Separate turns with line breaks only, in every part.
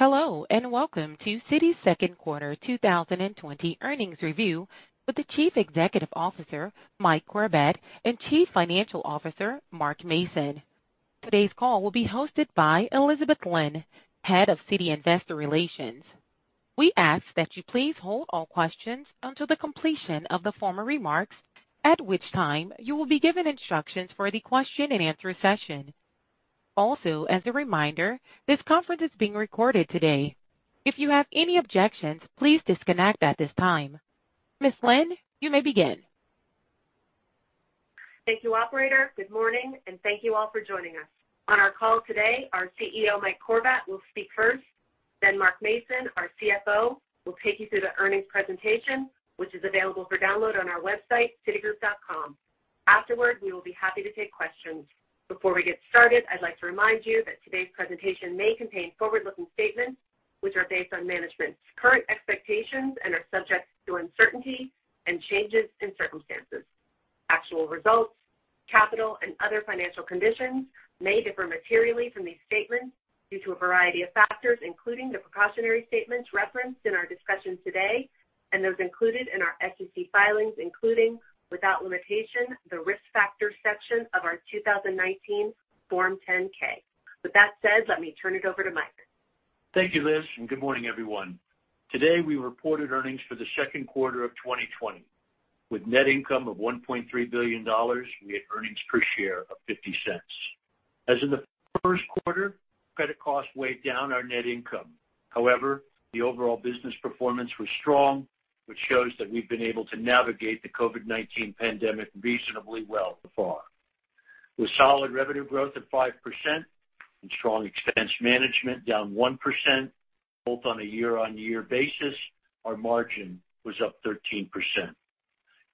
Hello, and welcome to Citi's second quarter 2020 earnings review with the Chief Executive Officer, Mike Corbat, and Chief Financial Officer, Mark Mason. Today's call will be hosted by Elizabeth Lynn, Head of Citi Investor Relations. We ask that you please hold all questions until the completion of the formal remarks, at which time you will be given instructions for the question and answer session. Also, as a reminder, this conference is being recorded today. If you have any objections, please disconnect at this time. Ms. Lynn, you may begin.
Thank you, operator. Good morning, and thank you all for joining us. On our call today, our CEO, Mike Corbat, will speak first, then Mark Mason, our CFO, will take you through the earnings presentation, which is available for download on our website, citigroup.com. Afterward, we will be happy to take questions. Before we get started, I'd like to remind you that today's presentation may contain forward-looking statements, which are based on management's current expectations and are subject to uncertainty and changes in circumstances. Actual results, capital, and other financial conditions may differ materially from these statements due to a variety of factors, including the precautionary statements referenced in our discussion today and those included in our SEC filings, including, without limitation, the Risk Factors section of our 2019 Form 10-K. With that said, let me turn it over to Mike.
Thank you, Liz. Good morning, everyone. Today, we reported earnings for the second quarter of 2020. With net income of $1.3 billion, we had earnings per share of $0.50. As in the first quarter, credit costs weighed down our net income. However, the overall business performance was strong, which shows that we've been able to navigate the COVID-19 pandemic reasonably well so far. With solid revenue growth of 5% and strong expense management down 1%, both on a year-over-year basis, our margin was up 13%.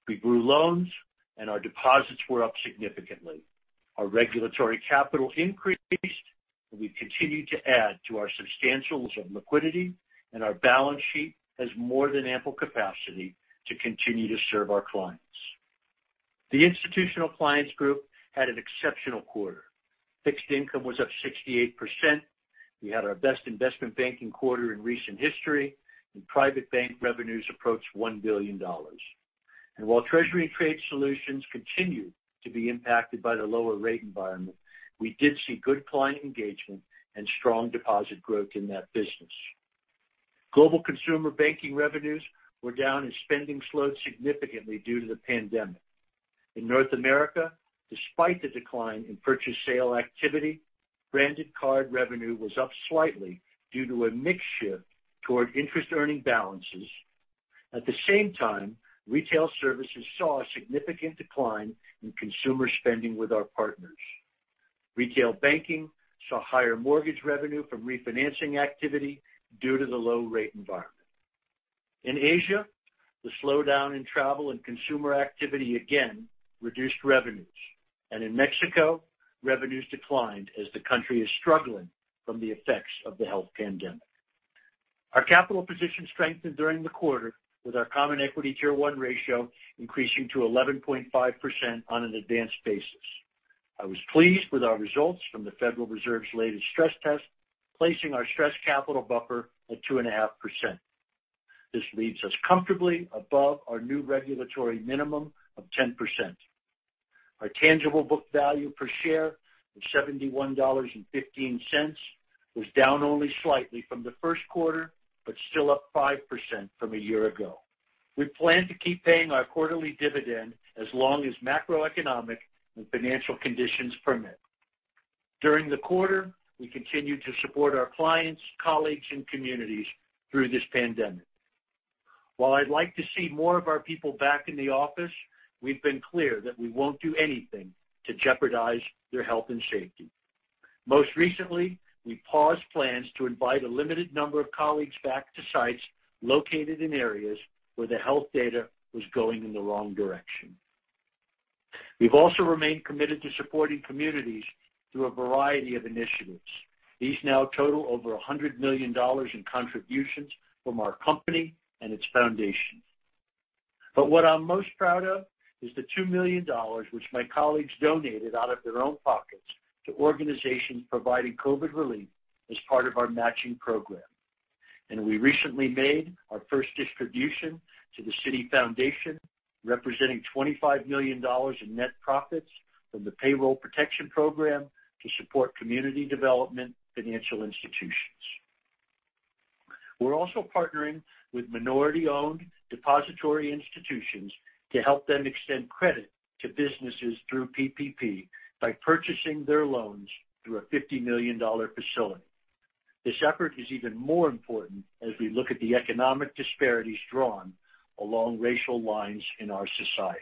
We grew loans, and our deposits were up significantly. Our regulatory capital increased, and we continued to add to our substantial liquidity, and our balance sheet has more than ample capacity to continue to serve our clients. The Institutional Clients Group had an exceptional quarter. Fixed income was up 68%. We had our best investment banking quarter in recent history, and private bank revenues approached $1 billion. While Treasury and Trade Solutions continue to be impacted by the lower rate environment, we did see good client engagement and strong deposit growth in that business. Global Consumer Banking revenues were down as spending slowed significantly due to the pandemic. In North America, despite the decline in purchase sale activity, branded card revenue was up slightly due to a mix shift toward interest-earning balances. At the same time, retail services saw a significant decline in consumer spending with our partners. Retail Banking saw higher mortgage revenue from refinancing activity due to the low rate environment. In Asia, the slowdown in travel and consumer activity again reduced revenues. In Mexico, revenues declined as the country is struggling from the effects of the health pandemic. Our capital position strengthened during the quarter, with our common equity Tier 1 ratio increasing to 11.5% on an advanced basis. I was pleased with our results from the Federal Reserve's latest stress test, placing our stress capital buffer at 2.5%. This leaves us comfortably above our new regulatory minimum of 10%. Our tangible book value per share of $71.15 was down only slightly from the first quarter, but still up 5% from a year ago. We plan to keep paying our quarterly dividend as long as macroeconomic and financial conditions permit. During the quarter, we continued to support our clients, colleagues, and communities through this pandemic. While I'd like to see more of our people back in the office, we've been clear that we won't do anything to jeopardize their health and safety. Most recently, we paused plans to invite a limited number of colleagues back to sites located in areas where the health data was going in the wrong direction. We've also remained committed to supporting communities through a variety of initiatives. These now total over $100 million in contributions from our company and its foundation. What I'm most proud of is the $2 million, which my colleagues donated out of their own pockets to organizations providing COVID relief as part of our matching program. We recently made our first distribution to the Citi Foundation, representing $25 million in net profits from the Paycheck Protection Program to support community development financial institutions. We're also partnering with minority-owned depository institutions to help them extend credit to businesses through PPP by purchasing their loans through a $50 million facility. This effort is even more important as we look at the economic disparities drawn along racial lines in our society.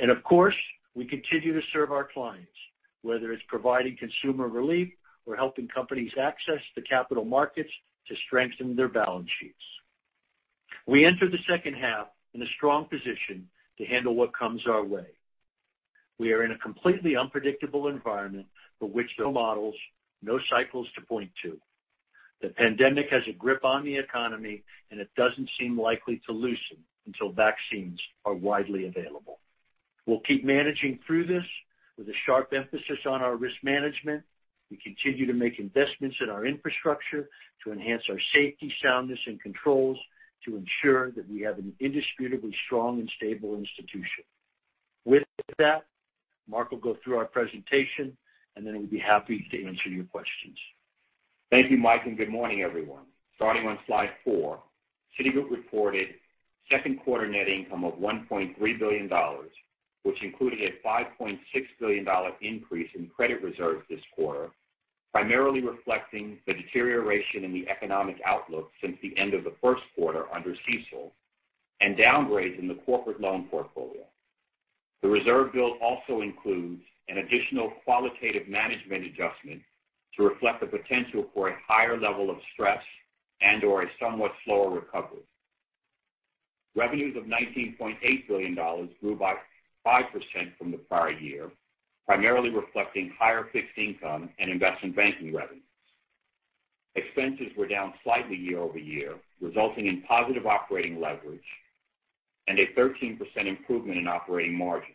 Of course, we continue to serve our clients, whether it's providing consumer relief or helping companies access the capital markets to strengthen their balance sheets. We enter the second half in a strong position to handle what comes our way. We are in a completely unpredictable environment for which there are no models, no cycles to point to. The pandemic has a grip on the economy, and it doesn't seem likely to loosen until vaccines are widely available. We'll keep managing through this with a sharp emphasis on our risk management. We continue to make investments in our infrastructure to enhance our safety, soundness, and controls to ensure that we have an indisputably strong and stable institution. With that, Mark will go through our presentation, and then we'll be happy to answer your questions.
Thank you, Mike, and good morning, everyone. Starting on slide four, Citigroup reported second quarter net income of $1.3 billion, which included a $5.6 billion increase in credit reserves this quarter, primarily reflecting the deterioration in the economic outlook since the end of the first quarter under CECL, and downgrades in the corporate loan portfolio. The reserve build also includes an additional qualitative management adjustment to reflect the potential for a higher level of stress and/or a somewhat slower recovery. Revenues of $19.8 billion grew by 5% from the prior year, primarily reflecting higher fixed income and investment banking revenues. Expenses were down slightly year-over-year, resulting in positive operating leverage and a 13% improvement in operating margin.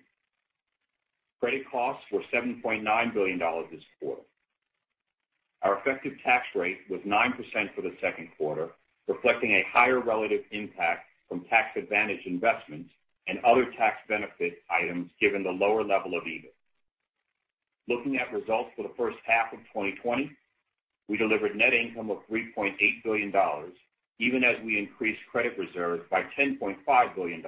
Credit costs were $7.9 billion this quarter. Our effective tax rate was 9% for the second quarter, reflecting a higher relative impact from tax advantage investments and other tax benefit items given the lower level of EBIT. Looking at results for the first half of 2020, we delivered net income of $3.8 billion, even as we increased credit reserves by $10.5 billion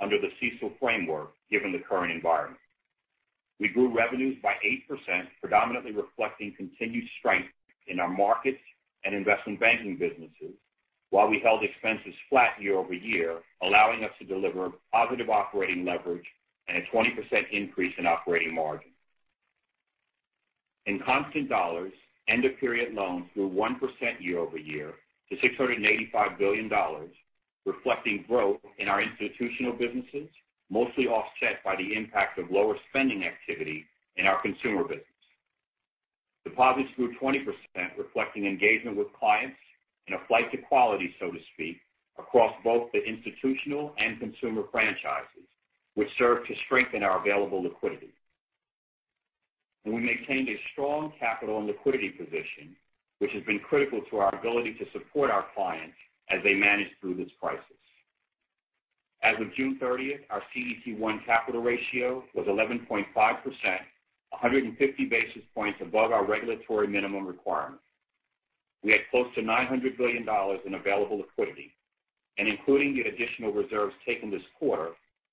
under the CECL framework, given the current environment. We grew revenues by 8%, predominantly reflecting continued strength in our markets and investment banking businesses, while we held expenses flat year-over-year, allowing us to deliver positive operating leverage and a 20% increase in operating margin. In constant dollars, end of period loans grew 1% year-over-year to $685 billion, reflecting growth in our institutional businesses, mostly offset by the impact of lower spending activity in our consumer business. Deposits grew 20%, reflecting engagement with clients and a flight to quality, so to speak, across both the institutional and consumer franchises, which served to strengthen our available liquidity. We maintained a strong capital and liquidity position, which has been critical to our ability to support our clients as they manage through this crisis. As of June 30th, our CET1 capital ratio was 11.5%, 150 basis points above our regulatory minimum requirement. We had close to $900 billion in available liquidity. Including the additional reserves taken this quarter,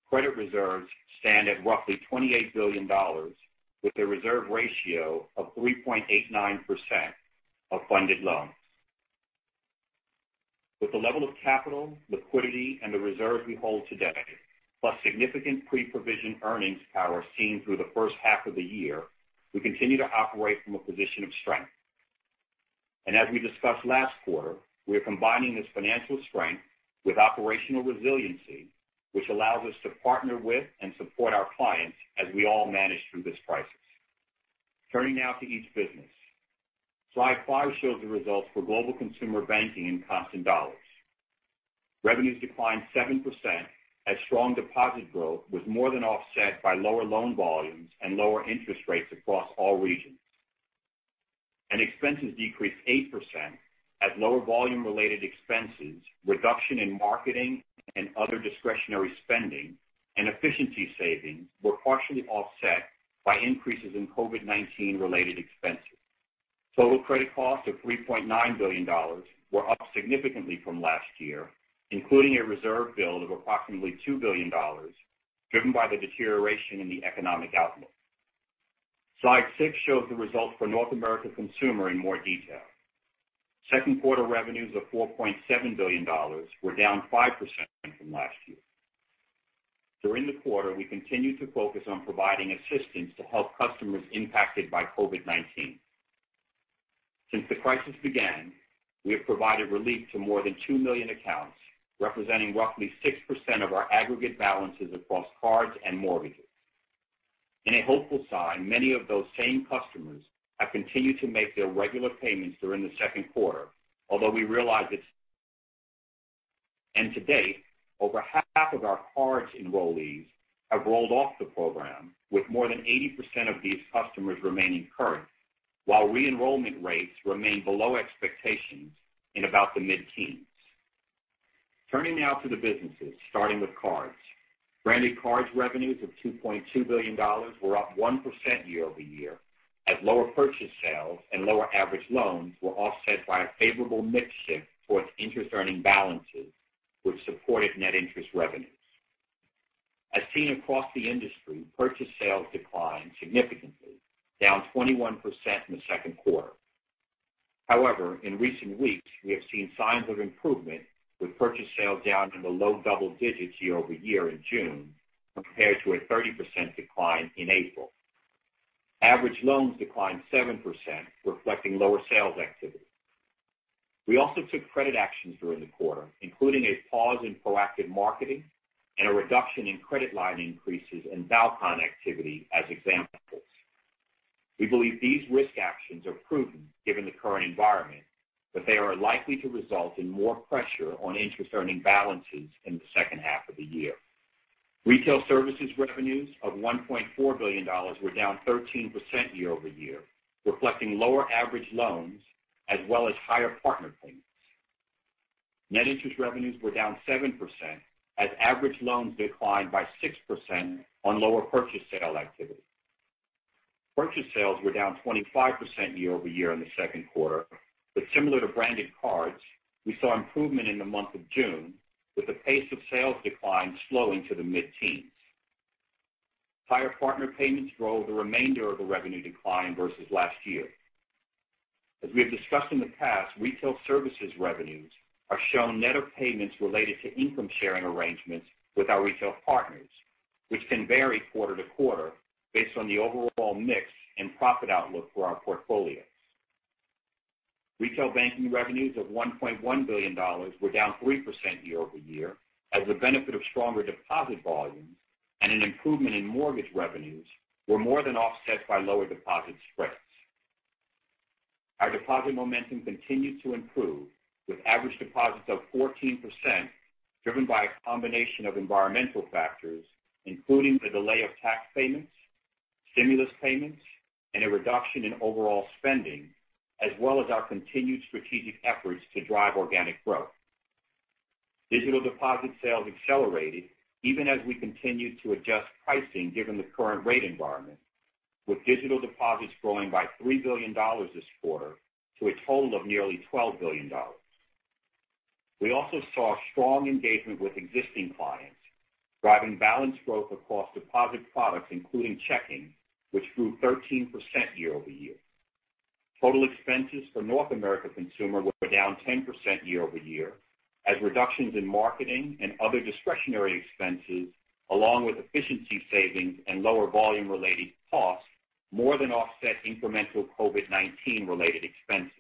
credit reserves stand at roughly $28 billion, with a reserve ratio of 3.89% of funded loans. With the level of capital, liquidity, and the reserves we hold today, plus significant pre-provision earnings power seen through the first half of the year, we continue to operate from a position of strength. As we discussed last quarter, we are combining this financial strength with operational resiliency, which allows us to partner with and support our clients as we all manage through this crisis. Turning now to each business. Slide five shows the results for Global Consumer Banking in constant dollars. Revenues declined 7% as strong deposit growth was more than offset by lower loan volumes and lower interest rates across all regions. Expenses decreased 8% as lower volume-related expenses, reduction in marketing and other discretionary spending, and efficiency savings were partially offset by increases in COVID-19-related expenses. Total credit costs of $3.9 billion were up significantly from last year, including a reserve build of approximately $2 billion, driven by the deterioration in the economic outlook. Slide six shows the results for North America Consumer in more detail. Second quarter revenues of $4.7 billion were down 5% from last year. During the quarter, we continued to focus on providing assistance to help customers impacted by COVID-19. Since the crisis began, we have provided relief to more than 2 million accounts, representing roughly 6% of our aggregate balances across cards and mortgages. In a hopeful sign, many of those same customers have continued to make their regular payments during the second quarter, although we realize to date, over half of our cards enrollees have rolled off the program, with more than 80% of these customers remaining current, while re-enrollment rates remain below expectations in about the mid-teens. Turning now to the businesses, starting with cards. Branded cards revenues of $2.2 billion were up 1% year-over-year, as lower purchase sales and lower average loans were offset by a favorable mix shift towards interest-earning balances, which supported net interest revenues. As seen across the industry, purchase sales declined significantly, down 21% in the second quarter. However, in recent weeks, we have seen signs of improvement with purchase sales down in the low double digits year-over-year in June, when compared to a 30% decline in April. Average loans declined 7%, reflecting lower sales activity. We also took credit actions during the quarter, including a pause in proactive marketing, a reduction in credit line increases and Balcon activity as examples. We believe these risk actions are prudent given the current environment, but they are likely to result in more pressure on interest-earning balances in the second half of the year. Retail services revenues of $1.4 billion were down 13% year-over-year, reflecting lower average loans as well as higher partner payments. Net interest revenues were down 7% as average loans declined by 6% on lower purchase sale activity. Purchase sales were down 25% year-over-year in the second quarter. Similar to branded cards, we saw improvement in the month of June with the pace of sales decline slowing to the mid-teens. Higher partner payments drove the remainder of the revenue decline versus last year. As we have discussed in the past, retail services revenues are showing net of payments related to income-sharing arrangements with our retail partners, which can vary quarter-to-quarter based on the overall mix and profit outlook for our portfolios. Retail banking revenues of $1.1 billion were down 3% year-over-year, as the benefit of stronger deposit volumes and an improvement in mortgage revenues were more than offset by lower deposit spreads. Our deposit momentum continued to improve, with average deposits up 14%, driven by a combination of environmental factors, including the delay of tax payments, stimulus payments, and a reduction in overall spending, as well as our continued strategic efforts to drive organic growth. Digital deposit sales accelerated even as we continued to adjust pricing, given the current rate environment, with digital deposits growing by $3 billion this quarter to a total of nearly $12 billion. We also saw strong engagement with existing clients, driving balance growth across deposit products, including checking, which grew 13% year-over-year. Total expenses for North America Consumer were down 10% year-over-year, as reductions in marketing and other discretionary expenses, along with efficiency savings and lower volume-related costs, more than offset incremental COVID-19-related expenses.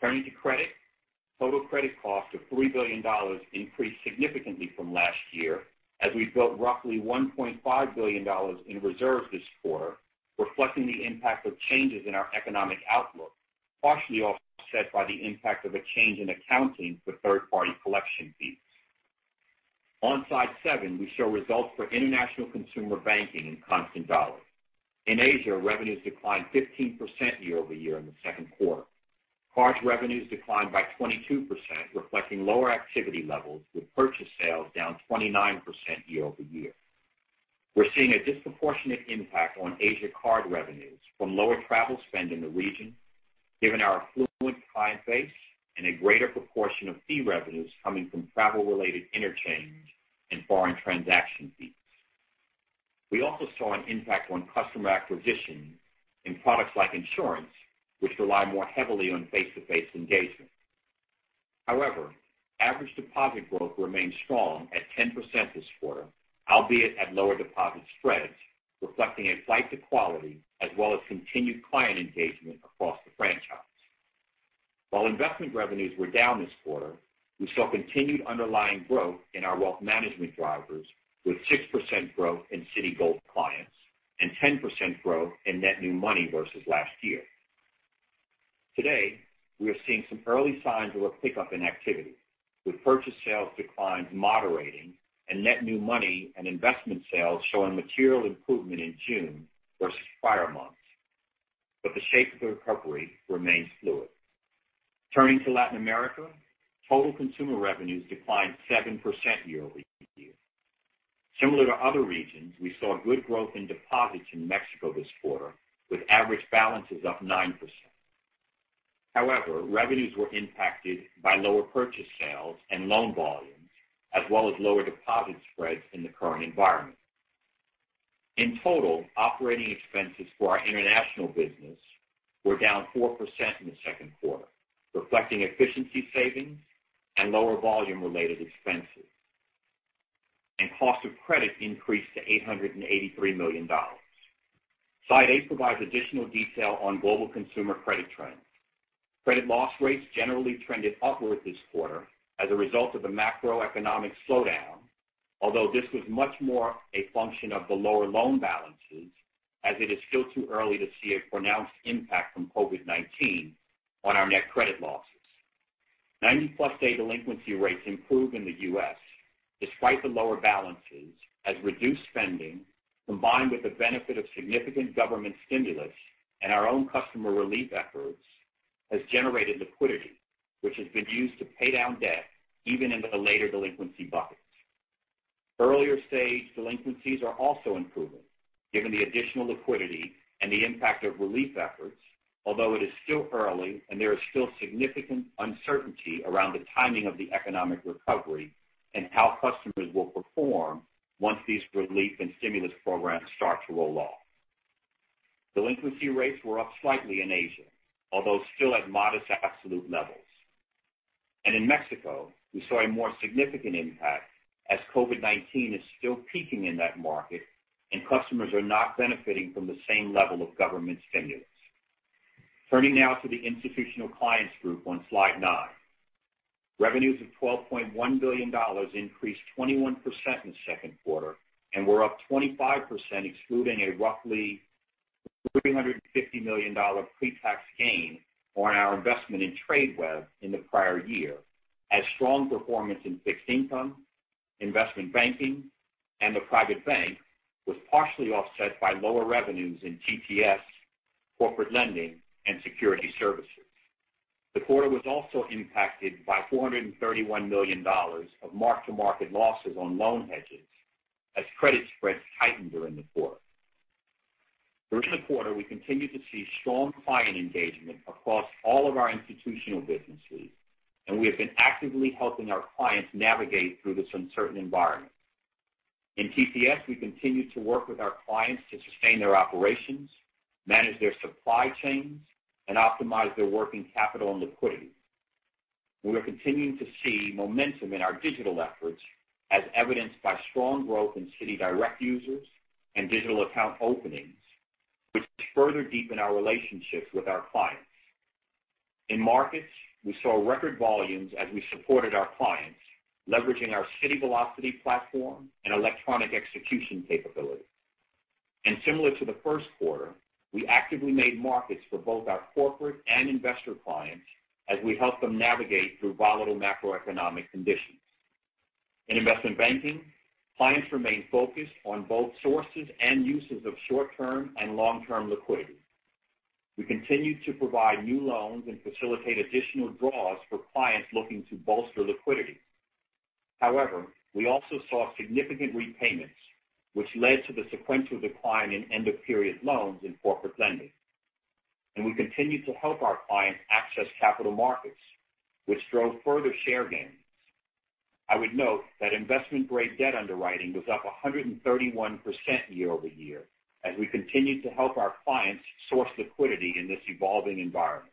Turning to credit. Total credit costs of $3 billion increased significantly from last year as we built roughly $1.5 billion in reserves this quarter, reflecting the impact of changes in our economic outlook, partially offset by the impact of a change in accounting for third-party collection fees. On slide seven, we show results for International Consumer Banking in constant dollars. In Asia, revenues declined 15% year-over-year in the second quarter. Cards revenues declined by 22%, reflecting lower activity levels, with purchase sales down 29% year-over-year. We're seeing a disproportionate impact on Asia card revenues from lower travel spend in the region, given our affluent client base and a greater proportion of fee revenues coming from travel-related interchange and foreign transaction fees. We also saw an impact on customer acquisition in products like insurance, which rely more heavily on face-to-face engagement. However, average deposit growth remained strong at 10% this quarter, albeit at lower deposit spreads, reflecting a flight to quality, as well as continued client engagement across the franchise. While investment revenues were down this quarter, we saw continued underlying growth in our wealth management drivers, with 6% growth in Citigold clients and 10% growth in net new money versus last year. Today, we are seeing some early signs of a pickup in activity, with purchase sales declines moderating and net new money and investment sales showing material improvement in June versus prior months. The shape of the recovery remains fluid. Turning to Latin America, total consumer revenues declined 7% year-over-year. Similar to other regions, we saw good growth in deposits in Mexico this quarter, with average balances up 9%. However, revenues were impacted by lower purchase sales and loan volumes, as well as lower deposit spreads in the current environment. In total, operating expenses for our international business were down 4% in the second quarter, reflecting efficiency savings and lower volume-related expenses. Cost of credit increased to $883 million. Slide eight provides additional detail on global consumer credit trends. Credit loss rates generally trended upward this quarter as a result of the macroeconomic slowdown, although this was much more a function of the lower loan balances, as it is still too early to see a pronounced impact from COVID-19 on our net credit losses. 90-plus day delinquency rates improved in the U.S., despite the lower balances, as reduced spending, combined with the benefit of significant government stimulus and our own customer relief efforts, has generated liquidity, which has been used to pay down debt, even into the later delinquency buckets. Earlier-stage delinquencies are also improving given the additional liquidity and the impact of relief efforts, although it is still early and there is still significant uncertainty around the timing of the economic recovery and how customers will perform once these relief and stimulus programs start to roll off. Delinquency rates were up slightly in Asia, although still at modest absolute levels. In Mexico, we saw a more significant impact as COVID-19 is still peaking in that market and customers are not benefiting from the same level of government stimulus. Turning now to the Institutional Clients Group on slide nine. Revenues of $12.1 billion increased 21% in the second quarter, and were up 25%, excluding a roughly $350 million pre-tax gain on our investment in Tradeweb in the prior year, as strong performance in fixed income, investment banking, and the private bank was partially offset by lower revenues in TTS, corporate lending, and security services. The quarter was also impacted by $431 million of mark-to-market losses on loan hedges as credit spreads tightened during the quarter. During the quarter, we continued to see strong client engagement across all of our institutional businesses, and we have been actively helping our clients navigate through this uncertain environment. In TTS, we continued to work with our clients to sustain their operations, manage their supply chains, and optimize their working capital and liquidity. We are continuing to see momentum in our digital efforts, as evidenced by strong growth in CitiDirect users and digital account openings, which further deepen our relationships with our clients. In markets, we saw record volumes as we supported our clients, leveraging our Citi Velocity platform and electronic execution capabilities. Similar to the first quarter, we actively made markets for both our corporate and investor clients as we help them navigate through volatile macroeconomic conditions. In investment banking, clients remain focused on both sources and uses of short-term and long-term liquidity. We continued to provide new loans and facilitate additional draws for clients looking to bolster liquidity. However, we also saw significant repayments, which led to the sequential decline in end-of-period loans in corporate lending. We continued to help our clients access capital markets, which drove further share gains. I would note that investment-grade debt underwriting was up 131% year-over-year, as we continued to help our clients source liquidity in this evolving environment.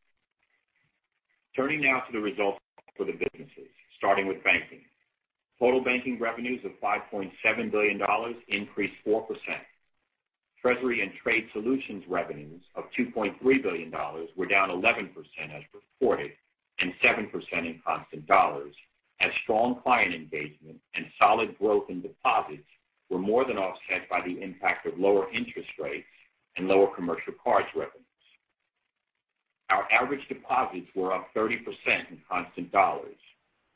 Turning now to the results for the businesses, starting with banking. Total banking revenues of $5.7 billion, increased 4%. Treasury and Trade Solutions revenues of $2.3 billion were down 11% as reported, and 7% in constant dollars, as strong client engagement and solid growth in deposits were more than offset by the impact of lower interest rates and lower commercial cards revenues. Our average deposits were up 30% in constant dollars.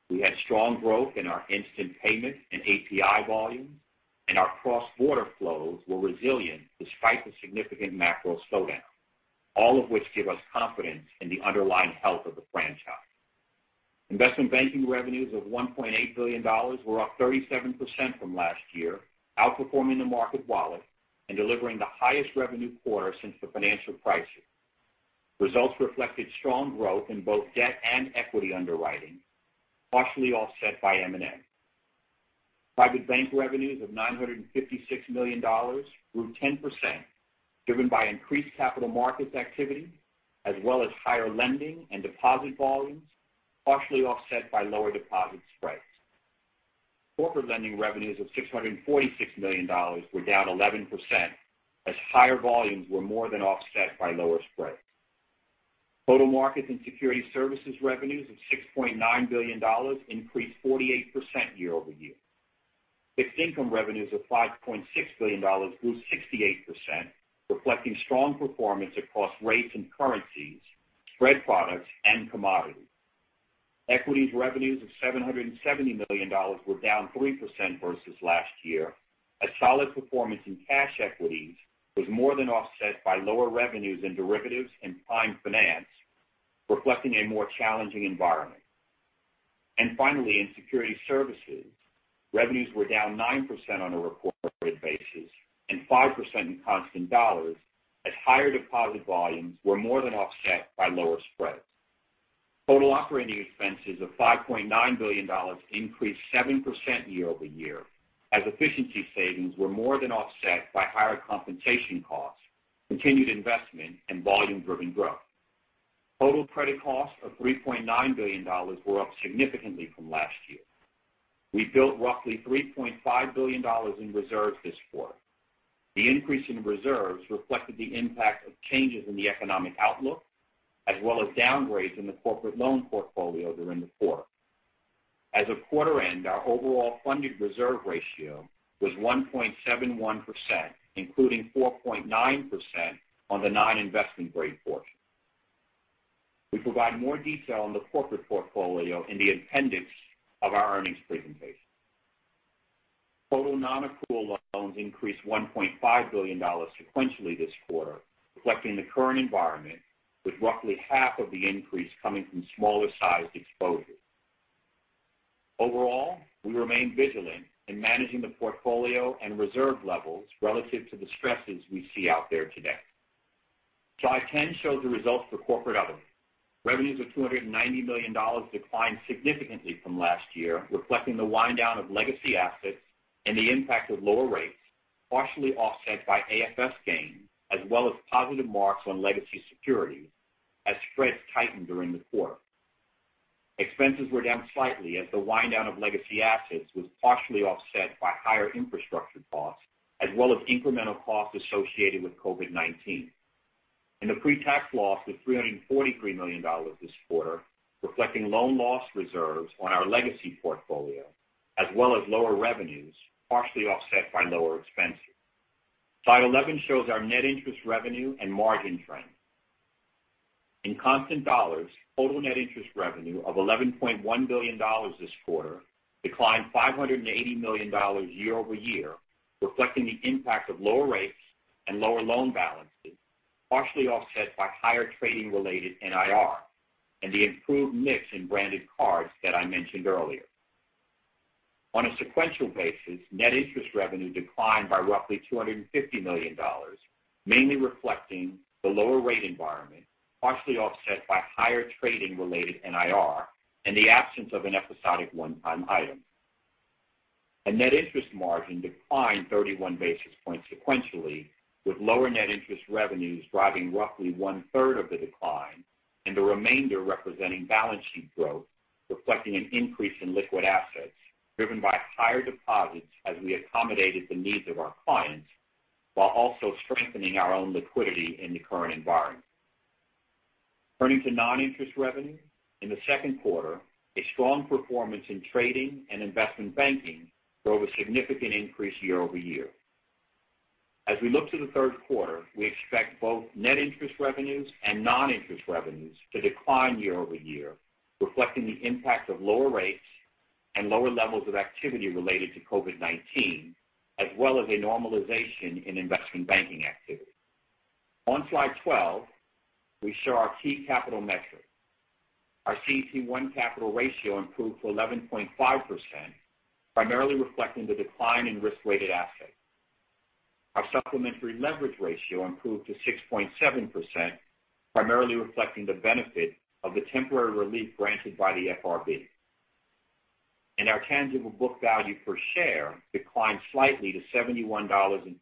We had strong growth in our instant payment and API volumes, and our cross-border flows were resilient despite the significant macro slowdown, all of which give us confidence in the underlying health of the franchise. Investment banking revenues of $1.8 billion were up 37% from last year, outperforming the market wallet and delivering the highest revenue quarter since the financial crisis. Results reflected strong growth in both debt and equity underwriting, partially offset by M&A. Private bank revenues of $956 million grew 10%, driven by increased capital markets activity, as well as higher lending and deposit volumes, partially offset by lower deposit spreads. Corporate lending revenues of $646 million were down 11%, as higher volumes were more than offset by lower spreads. Total markets and security services revenues of $6.9 billion increased 48% year-over-year. Fixed income revenues of $5.6 billion grew 68%, reflecting strong performance across rates and currencies, spread products, and commodities. Equities revenues of $770 million were down 3% versus last year, as solid performance in cash equities was more than offset by lower revenues in derivatives and prime finance, reflecting a more challenging environment. Finally, in security services, revenues were down 9% on a reported basis and 5% in constant dollars as higher deposit volumes were more than offset by lower spreads. Total operating expenses of $5.9 billion increased 7% year-over-year, as efficiency savings were more than offset by higher compensation costs, continued investment, and volume-driven growth. Total credit costs of $3.9 billion were up significantly from last year. We built roughly $3.5 billion in reserves this quarter. The increase in reserves reflected the impact of changes in the economic outlook, as well as downgrades in the corporate loan portfolio during the quarter. As of quarter end, our overall funded reserve ratio was 1.71%, including 4.9% on the non-investment grade portion. We provide more detail on the corporate portfolio in the appendix of our earnings presentation. Total non-accrual loans increased $1.5 billion sequentially this quarter, reflecting the current environment, with roughly half of the increase coming from smaller-sized exposures. Overall, we remain vigilant in managing the portfolio and reserve levels relative to the stresses we see out there today. Slide 10 shows the results for Corporate/Other. Revenues of $290 million declined significantly from last year, reflecting the wind-down of legacy assets and the impact of lower rates, partially offset by AFS gains, as well as positive marks on legacy securities as spreads tightened during the quarter. Expenses were down slightly as the wind-down of legacy assets was partially offset by higher infrastructure costs, as well as incremental costs associated with COVID-19. The pre-tax loss was $343 million this quarter, reflecting loan loss reserves on our legacy portfolio, as well as lower revenues, partially offset by lower expenses. Slide 11 shows our net interest revenue and margin trends. In constant dollars, total net interest revenue of $11.1 billion this quarter declined $580 million year-over-year, reflecting the impact of lower rates and lower loan balances, partially offset by higher trading-related NIR and the improved mix in branded cards that I mentioned earlier. On a sequential basis, net interest revenue declined by roughly $250 million, mainly reflecting the lower rate environment, partially offset by higher trading-related NIR and the absence of an episodic one-time item. A net interest margin declined 31 basis points sequentially, with lower net interest revenues driving roughly one-third of the decline and the remainder representing balance sheet growth, reflecting an increase in liquid assets driven by higher deposits as we accommodated the needs of our clients while also strengthening our own liquidity in the current environment. Turning to non-interest revenue, in the second quarter, a strong performance in trading and investment banking drove a significant increase year-over-year. As we look to the third quarter, we expect both net interest revenues and non-interest revenues to decline year-over-year, reflecting the impact of lower rates and lower levels of activity related to COVID-19, as well as a normalization in investment banking activity. On slide 12, we show our key capital metrics. Our CET1 capital ratio improved to 11.5%, primarily reflecting the decline in risk-weighted assets. Our supplementary leverage ratio improved to 6.7%, primarily reflecting the benefit of the temporary relief granted by the FRB. Our tangible book value per share declined slightly to $71.15,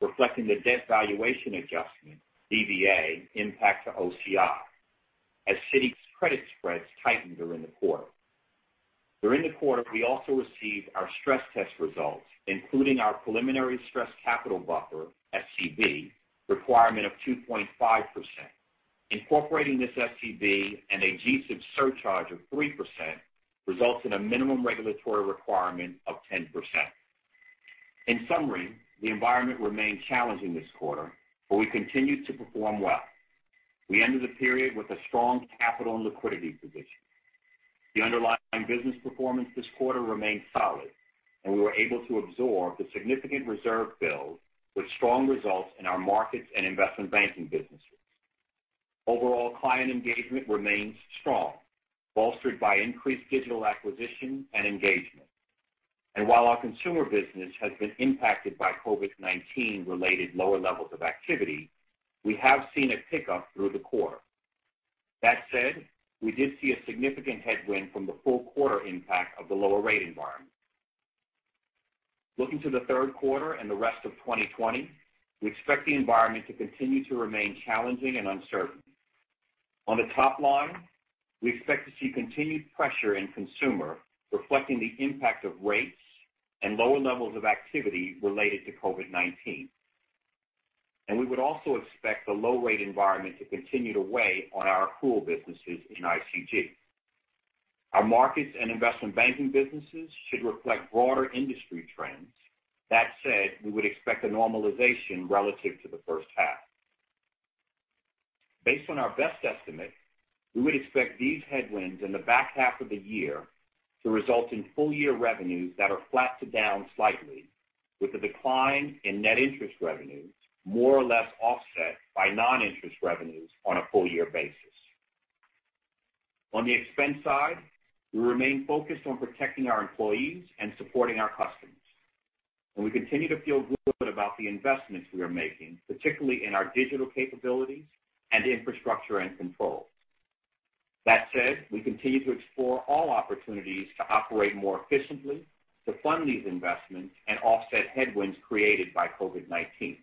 reflecting the debt valuation adjustment, DVA, impact to OCI, as Citi's credit spreads tightened during the quarter. During the quarter, we also received our stress test results, including our preliminary stress capital buffer, SCB, requirement of 2.5%. Incorporating this SCB and a GSIB surcharge of 3% results in a minimum regulatory requirement of 10%. In summary, the environment remained challenging this quarter, but we continued to perform well. We ended the period with a strong capital and liquidity position. The underlying business performance this quarter remained solid, and we were able to absorb the significant reserve build with strong results in our markets and investment banking businesses. Overall, client engagement remains strong, bolstered by increased digital acquisition and engagement. While our consumer business has been impacted by COVID-19-related lower levels of activity, we have seen a pickup through the quarter. That said, we did see a significant headwind from the full quarter impact of the lower rate environment. Looking to the third quarter and the rest of 2020, we expect the environment to continue to remain challenging and uncertain. On the top line, we expect to see continued pressure in consumer, reflecting the impact of rates and lower levels of activity related to COVID-19. We would also expect the low rate environment to continue to weigh on our accrual businesses in ICG. Our markets and investment banking businesses should reflect broader industry trends. That said, we would expect a normalization relative to the first half. Based on our best estimate, we would expect these headwinds in the back half of the year to result in full-year revenues that are flat to down slightly, with a decline in Net Interest Revenues, more or less offset by non-interest revenues on a full-year basis. On the expense side, we remain focused on protecting our employees and supporting our customers. We continue to feel good about the investments we are making, particularly in our digital capabilities and infrastructure and controls. That said, we continue to explore all opportunities to operate more efficiently to fund these investments and offset headwinds created by COVID-19.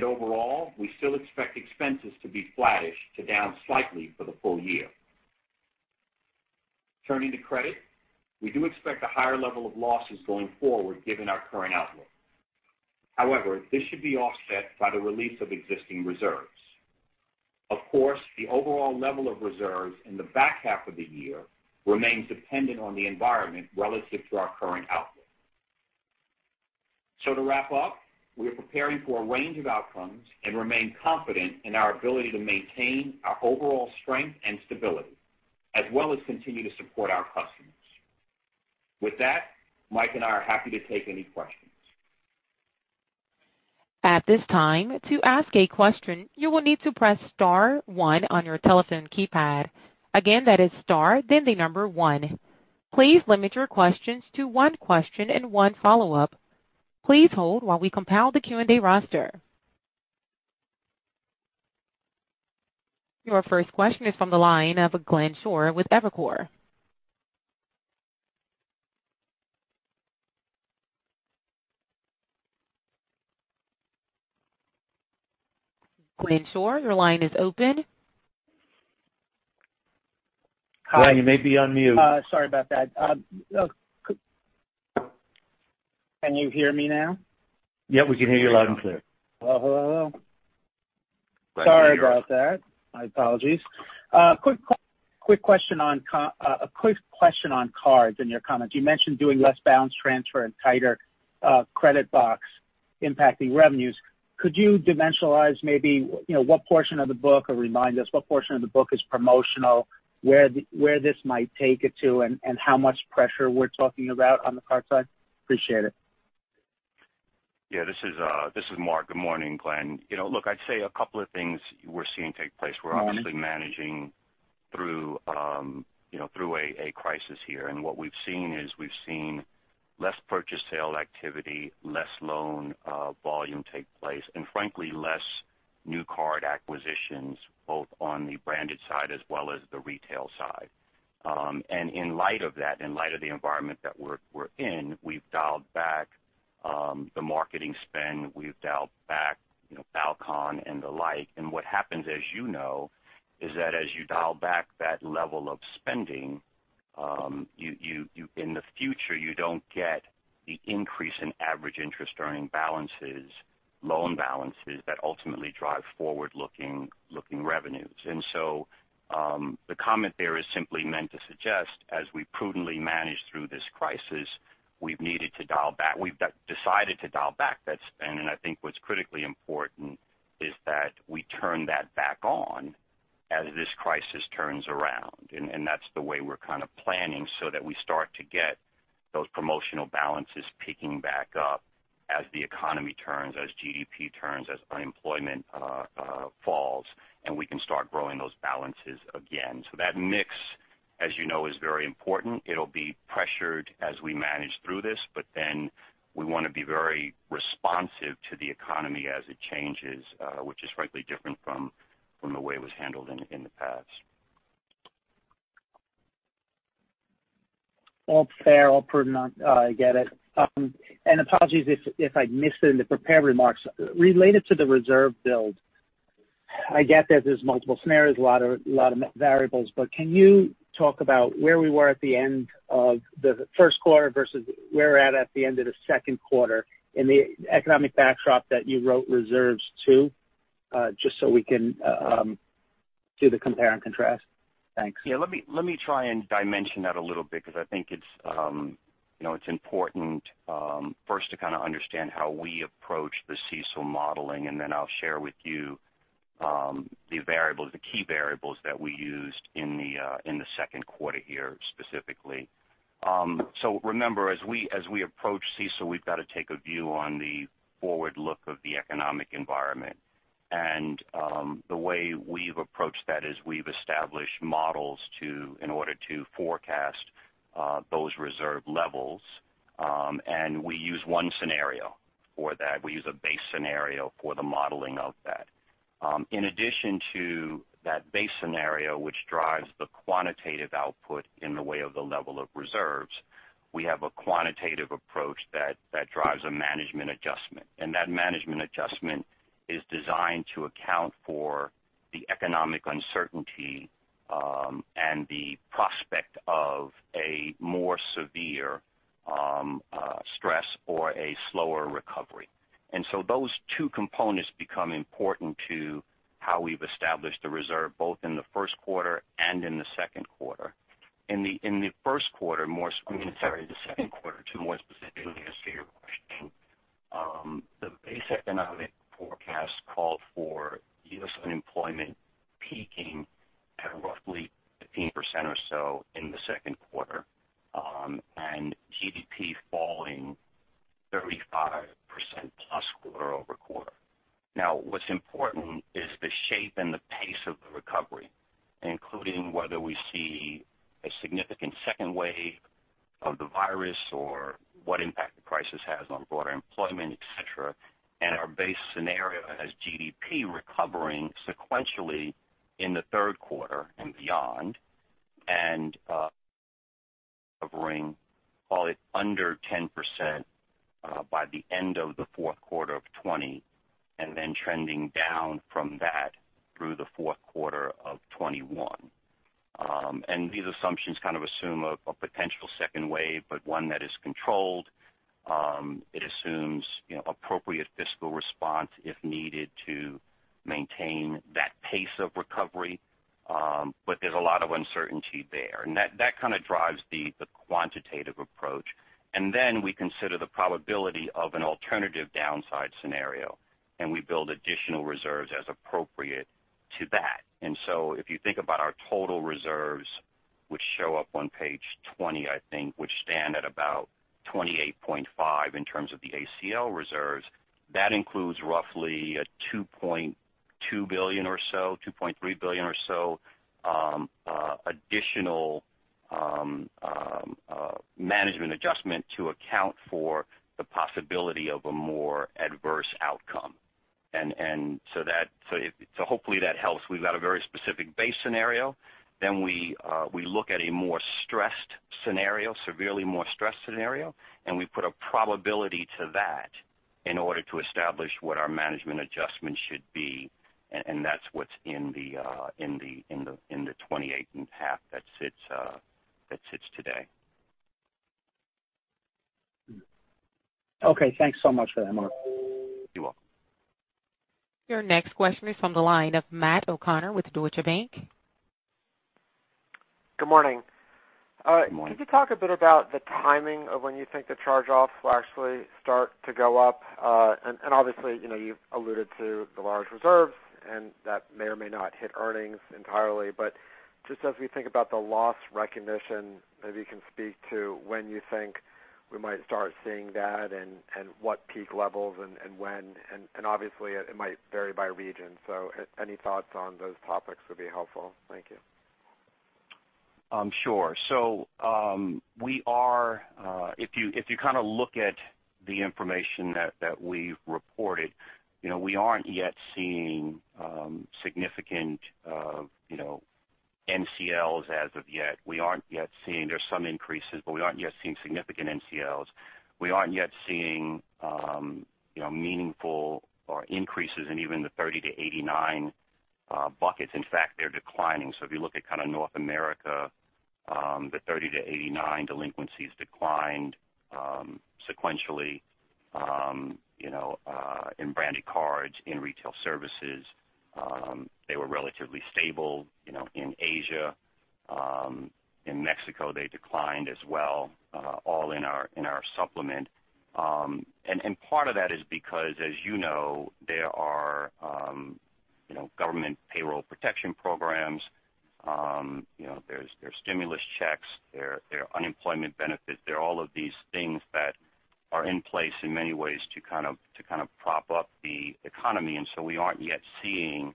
Overall, we still expect expenses to be flattish to down slightly for the full year. Turning to credit, we do expect a higher level of losses going forward given our current outlook. However, this should be offset by the release of existing reserves. Of course, the overall level of reserves in the back half of the year remains dependent on the environment relative to our current outlook. To wrap up, we are preparing for a range of outcomes and remain confident in our ability to maintain our overall strength and stability, as well as continue to support our customers. With that, Mike and I are happy to take any questions.
At this time, to ask a question, you will need to press star one on your telephone keypad. Again, that is star, then the number one. Please limit your questions to one question and one follow-up. Please hold while we compile the Q&A roster. Your first question is from the line of Glenn Schorr with Evercore. Glenn Schorr, your line is open.
Glenn, you may be on mute.
Sorry about that. Can you hear me now?
Yeah, we can hear you loud and clear.
Well, hello. Sorry about that. My apologies. A quick question on cards and your comments. You mentioned doing less balance transfer and tighter credit box impacting revenues. Could you dimensionalize maybe, what portion of the book, or remind us what portion of the book is promotional, where this might take it to, and how much pressure we're talking about on the card side? Appreciate it.
This is Mark. Good morning, Glenn. I'd say a couple of things we're seeing take place. We're obviously managing through a crisis here, and what we've seen is we've seen less purchase sale activity, less loan volume take place, and frankly, less new card acquisitions, both on the branded side as well as the retail side. In light of that, in light of the environment that we're in, we've dialed back the marketing spend, we've dialed back Balcon and the like. What happens, as you know, is that as you dial back that level of spending, in the future you don't get the increase in average interest earning balances, loan balances that ultimately drive forward-looking revenues. The comment there is simply meant to suggest, as we prudently manage through this crisis, we've decided to dial back that spend. I think what's critically important is that we turn that back on as this crisis turns around, and that's the way we're kind of planning so that we start to get those promotional balances peaking back up as the economy turns, as GDP turns, as unemployment falls, and we can start growing those balances again. That mix, as you know, is very important. It'll be pressured as we manage through this, but then we want to be very responsive to the economy as it changes, which is frankly different from the way it was handled in the past.
All fair, all pertinent. I get it. Apologies if I missed it in the prepared remarks. Related to the reserve build, I get that there's multiple scenarios, a lot of variables, but can you talk about where we were at the end of the first quarter versus where we're at at the end of the second quarter in the economic backdrop that you wrote reserves to, just so we can do the compare and contrast? Thanks.
Yeah, let me try and dimension that a little bit because I think it's important first to kind of understand how we approach the CECL modeling, and then I'll share with you the key variables that we used in the second quarter here specifically. Remember, as we approach CECL, we've got to take a view on the forward look of the economic environment. The way we've approached that is we've established models in order to forecast those reserve levels, and we use one scenario for that. We use a base scenario for the modeling of that. In addition to that base scenario, which drives the quantitative output in the way of the level of reserves, we have a quantitative approach that drives a management adjustment. That management adjustment is designed to account for the economic uncertainty, and the prospect of a more severe stress or a slower recovery. Those two components become important to how we've established the reserve, both in the first quarter and in the second quarter. In the second quarter, more specifically as to your question. The base economic forecast called for U.S. unemployment peaking at roughly 15% or so in the second quarter, and GDP falling 35% plus quarter-over-quarter. Now, what's important is the shape and the pace of the recovery, including whether we see a significant second wave of the virus or what impact the crisis has on broader employment, et cetera. Our base scenario has GDP recovering sequentially in the third quarter and beyond, and call it, under 10% by the end of the fourth quarter of 2020, and then trending down from that through the fourth quarter of 2021. These assumptions kind of assume a potential second wave, but one that is controlled. It assumes appropriate fiscal response if needed to maintain that pace of recovery. There's a lot of uncertainty there, and that kind of drives the quantitative approach. Then we consider the probability of an alternative downside scenario, and we build additional reserves as appropriate to that. If you think about our total reserves, which show up on page 20, I think, which stand at about $28.5 in terms of the ACL reserves, that includes roughly a $2.2 billion or so, $2.3 billion or so, additional management adjustment to account for the possibility of a more adverse outcome. Hopefully that helps. We've got a very specific base scenario. We look at a more stressed scenario, severely more stressed scenario, and we put a probability to that in order to establish what our management adjustment should be, and that's what's in the $28.5 that sits today.
Okay. Thanks so much for that, Mark.
You're welcome.
Your next question is from the line of Matt O'Connor with Deutsche Bank.
Good morning.
Good morning.
Could you talk a bit about the timing of when you think the charge-offs will actually start to go up? Obviously, you've alluded to the large reserves, and that may or may not hit earnings entirely. Just as we think about the loss recognition, maybe you can speak to when you think we might start seeing that and what peak levels and when, and obviously, it might vary by region. Any thoughts on those topics would be helpful. Thank you.
Sure. If you look at the information that we've reported, we aren't yet seeing significant NCLs as of yet. There's some increases, we aren't yet seeing significant NCLs. We aren't yet seeing meaningful or increases in even the 30 to 89 buckets. In fact, they're declining. If you look at North America, the 30 to 89 delinquencies declined sequentially in branded cards in retail services. They were relatively stable in Asia. In Mexico, they declined as well, all in our supplement. Part of that is because, as you know, there are government Paycheck Protection Programs. There's stimulus checks. There are unemployment benefits. There are all of these things that are in place in many ways to kind of prop up the economy. We aren't yet seeing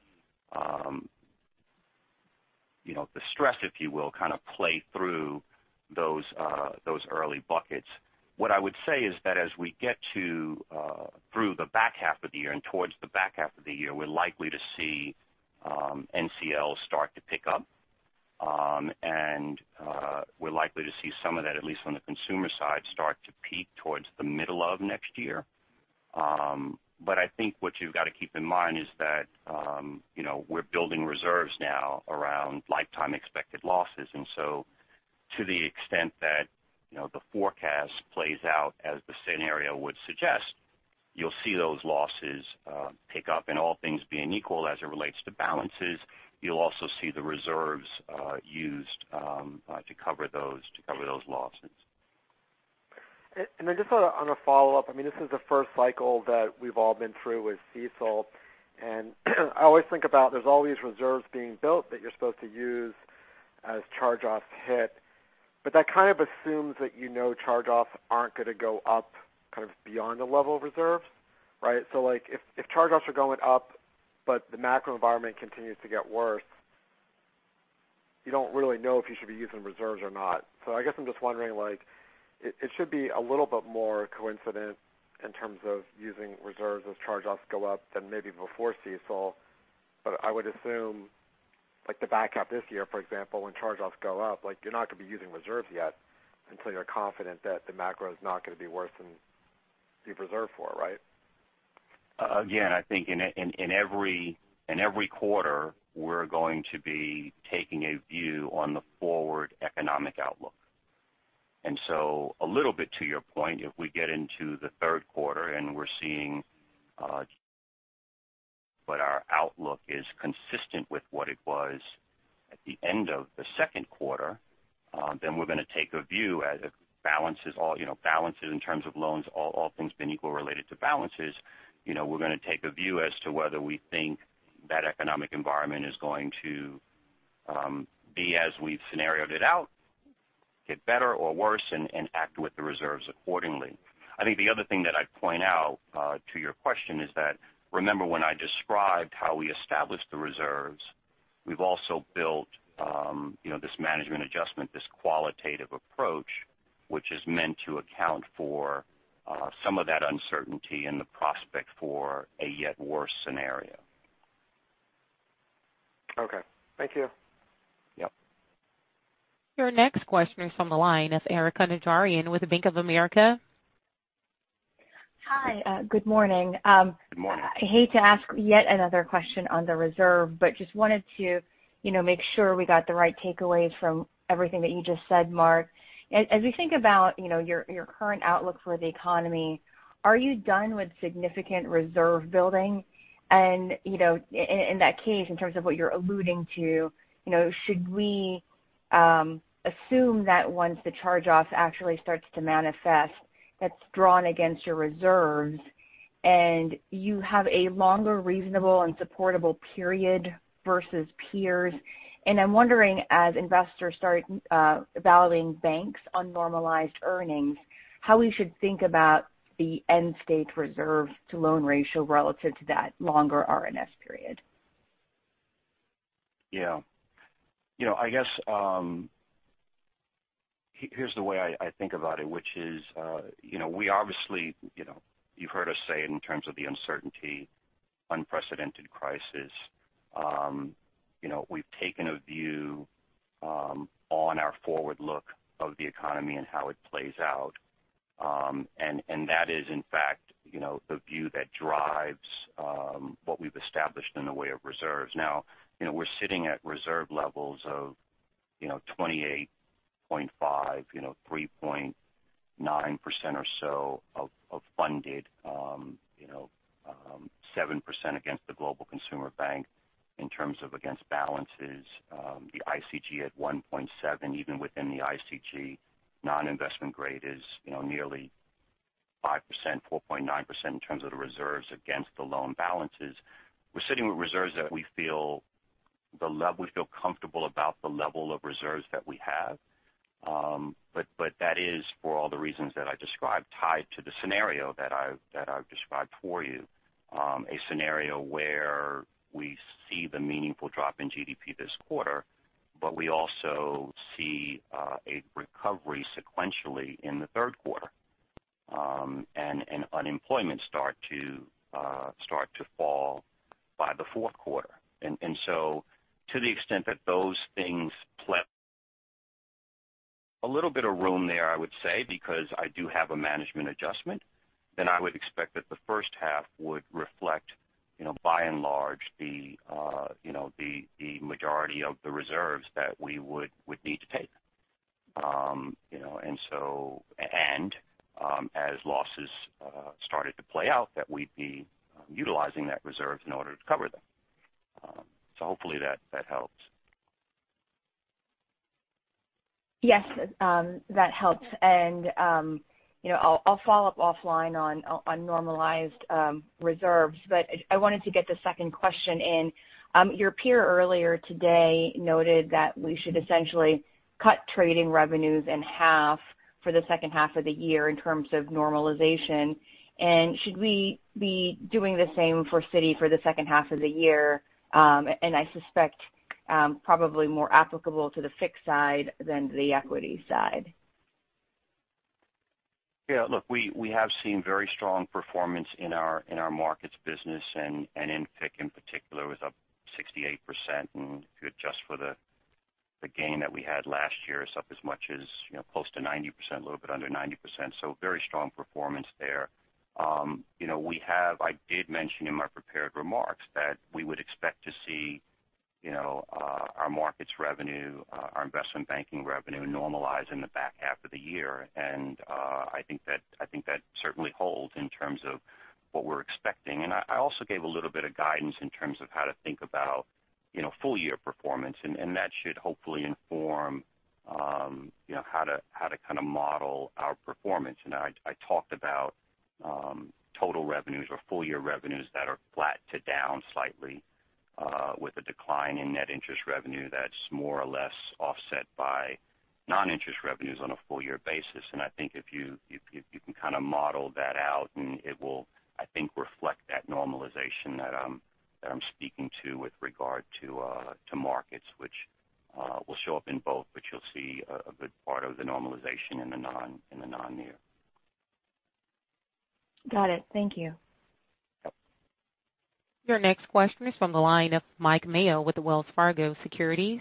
the stress, if you will, kind of play through those early buckets. What I would say is that as we get to through the back half of the year and towards the back half of the year, we're likely to see NCL start to pick up. We're likely to see some of that, at least on the consumer side, start to peak towards the middle of next year. I think what you've got to keep in mind is that we're building reserves now around lifetime expected losses. To the extent that the forecast plays out as the scenario would suggest, you'll see those losses pick up and all things being equal as it relates to balances, you'll also see the reserves used to cover those losses.
Just on a follow-up, this is the first cycle that we've all been through with CECL, I always think about there's all these reserves being built that you're supposed to use as charge-offs hit. That kind of assumes that you know charge-offs aren't going to go up kind of beyond the level of reserves. Right? If charge-offs are going up, but the macro environment continues to get worse, you don't really know if you should be using reserves or not. I guess I'm just wondering, it should be a little bit more coincident in terms of using reserves as charge-offs go up than maybe before CECL. I would assume the back half this year, for example, when charge-offs go up, you're not going to be using reserves yet until you're confident that the macro is not going to be worse than you've reserved for, right?
Again, I think in every quarter, we're going to be taking a view on the forward economic outlook. A little bit to your point, if we get into the third quarter and we're seeing, but our outlook is consistent with what it was at the end of the second quarter, then we're going to take a view as balances in terms of loans, all things being equal related to balances. We're going to take a view as to whether we think that economic environment is going to be as we've scenarioed it out, get better or worse, and act with the reserves accordingly. I think the other thing that I'd point out to your question is that, remember when I described how we established the reserves, we've also built this management adjustment, this qualitative approach, which is meant to account for some of that uncertainty in the prospect for a yet worse scenario.
Okay. Thank you.
Yep.
Your next question is from the line of Erika Najarian with Bank of America.
Hi, good morning.
Good morning.
I hate to ask yet another question on the reserve, just wanted to make sure we got the right takeaways from everything that you just said, Mark. As we think about your current outlook for the economy, are you done with significant reserve building? In that case, in terms of what you're alluding to, should we assume that once the charge-offs actually starts to manifest, that's drawn against your reserves and you have a longer reasonable and supportable period versus peers. I'm wondering, as investors start valuing banks on normalized earnings, how we should think about the end-stage reserve to loan ratio relative to that longer R&S period.
Yeah. I guess here's the way I think about it, which is you've heard us say in terms of the unprecedented crisis. That is in fact the view that drives what we've established in the way of reserves. We're sitting at reserve levels of $28.5, 3.9% or so of funded, 7% against the Global Consumer Banking in terms of against balances. The ICG at 1.7%, even within the ICG, non-investment grade is nearly 5%, 4.9% in terms of the reserves against the loan balances. We're sitting with reserves that we feel comfortable about the level of reserves that we have. That is, for all the reasons that I described, tied to the scenario that I've described for you, a scenario where we see the meaningful drop in GDP this quarter, but we also see a recovery sequentially in the third quarter, and unemployment start to fall by the fourth quarter. To the extent that those things play, a little bit of room there, I would say, because I do have a management adjustment, then I would expect that the first half would reflect, by and large, the majority of the reserves that we would need to take. As losses started to play out, that we'd be utilizing that reserve in order to cover them. Hopefully that helps.
Yes, that helps. I'll follow up offline on normalized reserves. I wanted to get the second question in. Your peer earlier today noted that we should essentially cut trading revenues in half for the second half of the year in terms of normalization. Should we be doing the same for Citi for the second half of the year? I suspect, probably more applicable to the fixed side than the equity side.
Yeah, look, we have seen very strong performance in our Markets business, and in FICC in particular, was up 68%, and if you adjust for the gain that we had last year, it's up as much as close to 90%, a little bit under 90%. I did mention in my prepared remarks that we would expect to see our Markets revenue, our investment banking revenue normalize in the back half of the year. I think that certainly holds in terms of what we're expecting. I also gave a little bit of guidance in terms of how to think about full-year performance, and that should hopefully inform how to kind of model our performance. I talked about total revenues or full-year revenues that are flat to down slightly, with a decline in Net Interest Revenue that's more or less offset by non-interest revenues on a full-year basis. I think if you can kind of model that out, and it will, I think, reflect that normalization that I'm speaking to with regard to markets, which will show up in both. You'll see a good part of the normalization in the non-NIR.
Got it. Thank you.
Your next question is from the line of Mike Mayo with Wells Fargo Securities.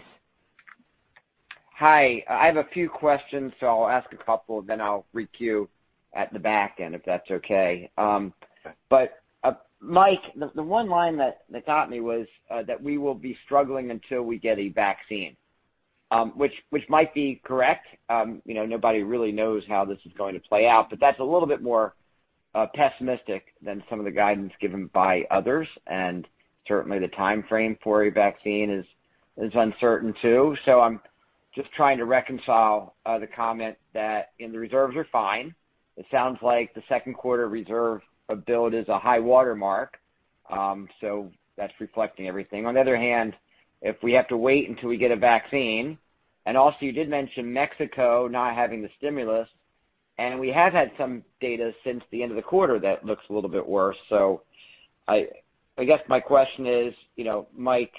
Hi, I have a few questions. I'll ask a couple. I'll re-queue at the back end, if that's okay.
Sure.
Mike, the one line that got me was that we will be struggling until we get a vaccine, which might be correct. Nobody really knows how this is going to play out, but that's a little bit more pessimistic than some of the guidance given by others. Certainly, the timeframe for a vaccine is uncertain, too. I'm just trying to reconcile the comment that the reserves are fine. It sounds like the second quarter reserve build is a high watermark, so that's reflecting everything. On the other hand, if we have to wait until we get a vaccine, and also you did mention Mexico not having the stimulus, and we have had some data since the end of the quarter that looks a little bit worse. I guess my question is, Mike,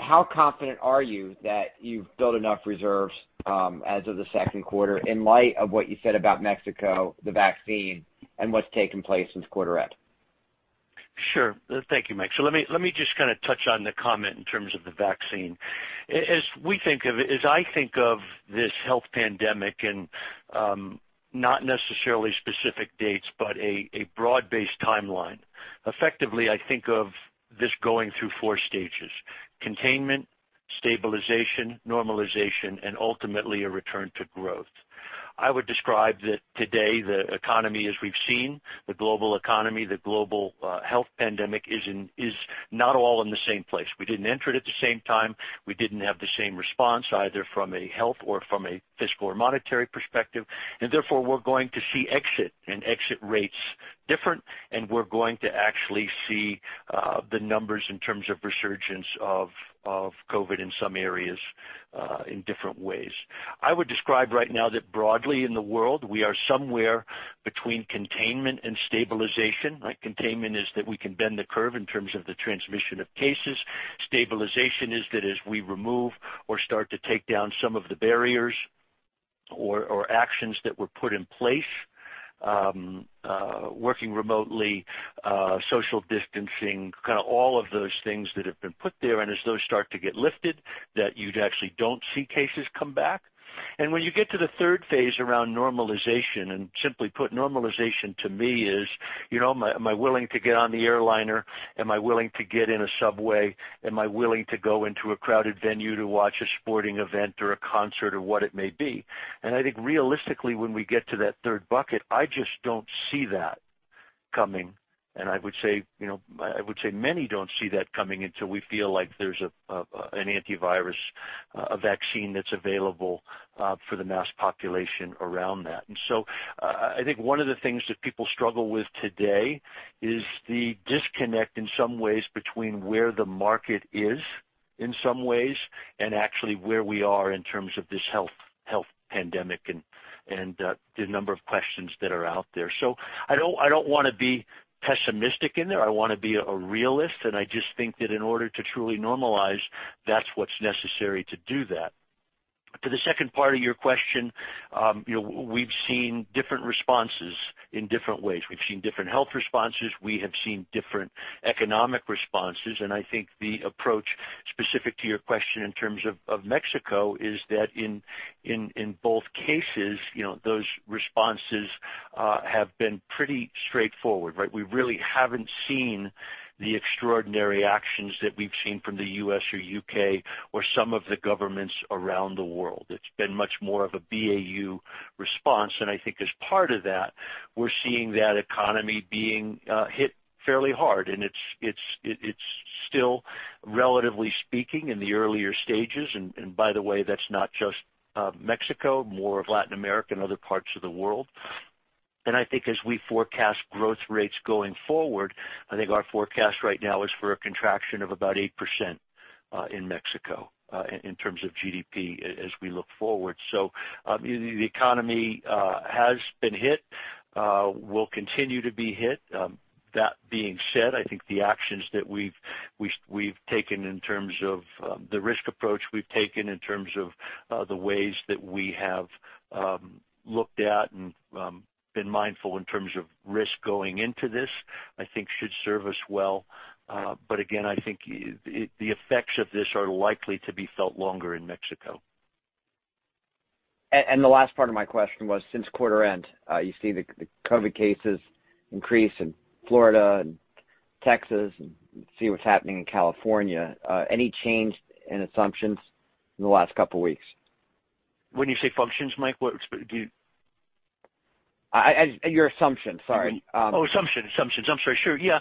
how confident are you that you've built enough reserves as of the second quarter in light of what you said about Mexico, the vaccine, and what's taken place since quarter end?
Sure. Thank you, Mike. Let me just kind of touch on the comment in terms of the vaccine. As I think of this health pandemic and not necessarily specific dates, but a broad-based timeline, effectively, I think of this going through 4 stages: containment, stabilization, normalization, and ultimately, a return to growth. I would describe that today, the economy as we've seen, the global economy, the global health pandemic is not all in the same place. We didn't enter it at the same time. We didn't have the same response, either from a health or from a fiscal or monetary perspective. Therefore, we're going to see exit and exit rates different, and we're going to actually see the numbers in terms of resurgence of COVID in some areas in different ways. I would describe right now that broadly in the world, we are somewhere between containment and stabilization, right? Containment is that we can bend the curve in terms of the transmission of cases. Stabilization is that as we remove or start to take down some of the barriers.
Actions that were put in place, working remotely, social distancing, kind of all of those things that have been put there, as those start to get lifted, that you'd actually don't see cases come back. When you get to the third phase around normalization, simply put, normalization to me is, am I willing to get on the airliner? Am I willing to get in a subway? Am I willing to go into a crowded venue to watch a sporting event or a concert or what it may be? I think realistically, when we get to that third bucket, I just don't see that coming. I would say many don't see that coming until we feel like there's an antivirus vaccine that's available for the mass population around that. I think one of the things that people struggle with today is the disconnect in some ways between where the market is in some ways and actually where we are in terms of this health pandemic and the number of questions that are out there. I don't want to be pessimistic in there. I want to be a realist, and I just think that in order to truly normalize, that's what's necessary to do that. To the second part of your question, we've seen different responses in different ways. We've seen different health responses. We have seen different economic responses. I think the approach specific to your question in terms of Mexico is that in both cases, those responses have been pretty straightforward, right? We really haven't seen the extraordinary actions that we've seen from the U.S. or U.K. or some of the governments around the world. It's been much more of a BAU response. I think as part of that, we're seeing that economy being hit fairly hard. It's still relatively speaking in the earlier stages. By the way, that's not just Mexico, more of Latin America and other parts of the world. I think as we forecast growth rates going forward, I think our forecast right now is for a contraction of about 8% in Mexico in terms of GDP as we look forward. The economy has been hit, will continue to be hit. That being said, I think the actions that we've taken in terms of the risk approach we've taken in terms of the ways that we have looked at and been mindful in terms of risk going into this, I think should serve us well. Again, I think the effects of this are likely to be felt longer in Mexico.
The last part of my question was since quarter end, you see the COVID cases increase in Florida and Texas and see what's happening in California. Any change in assumptions in the last couple of weeks?
When you say assumptions, Mike, what do you?
Your assumptions, sorry.
assumptions. I'm sorry. Sure. Yeah.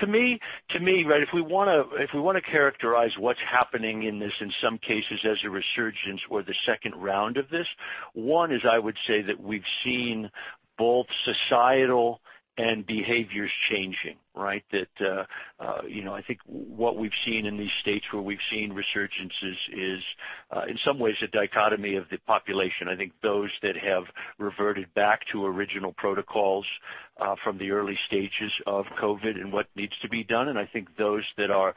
To me, if we want to characterize what's happening in this in some cases as a resurgence or the second round of this, one is I would say that we've seen both societal and behaviors changing, right? I think what we've seen in these states where we've seen resurgences is, in some ways a dichotomy of the population. I think those that have reverted back to original protocols from the early stages of COVID and what needs to be done. I think those that are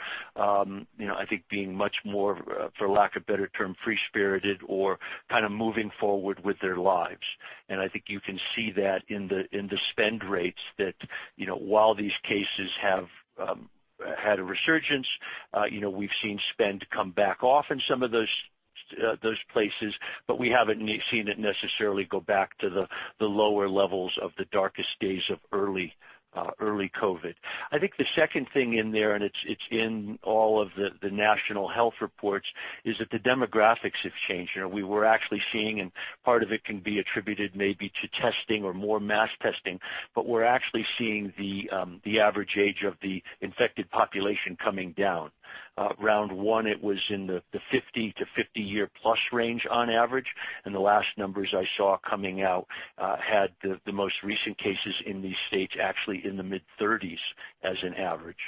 being much more, for lack of better term, free-spirited or kind of moving forward with their lives. I think you can see that in the spend rates that while these cases have had a resurgence, we've seen spend come back off in some of those places, but we haven't seen it necessarily go back to the lower levels of the darkest days of early COVID-19. I think the second thing in there, and it's in all of the national health reports, is that the demographics have changed. We were actually seeing, and part of it can be attributed maybe to testing or more mass testing, but we're actually seeing the average age of the infected population coming down. Round one, it was in the 50-year plus range on average. The last numbers I saw coming out had the most recent cases in these states actually in the mid-30s as an average.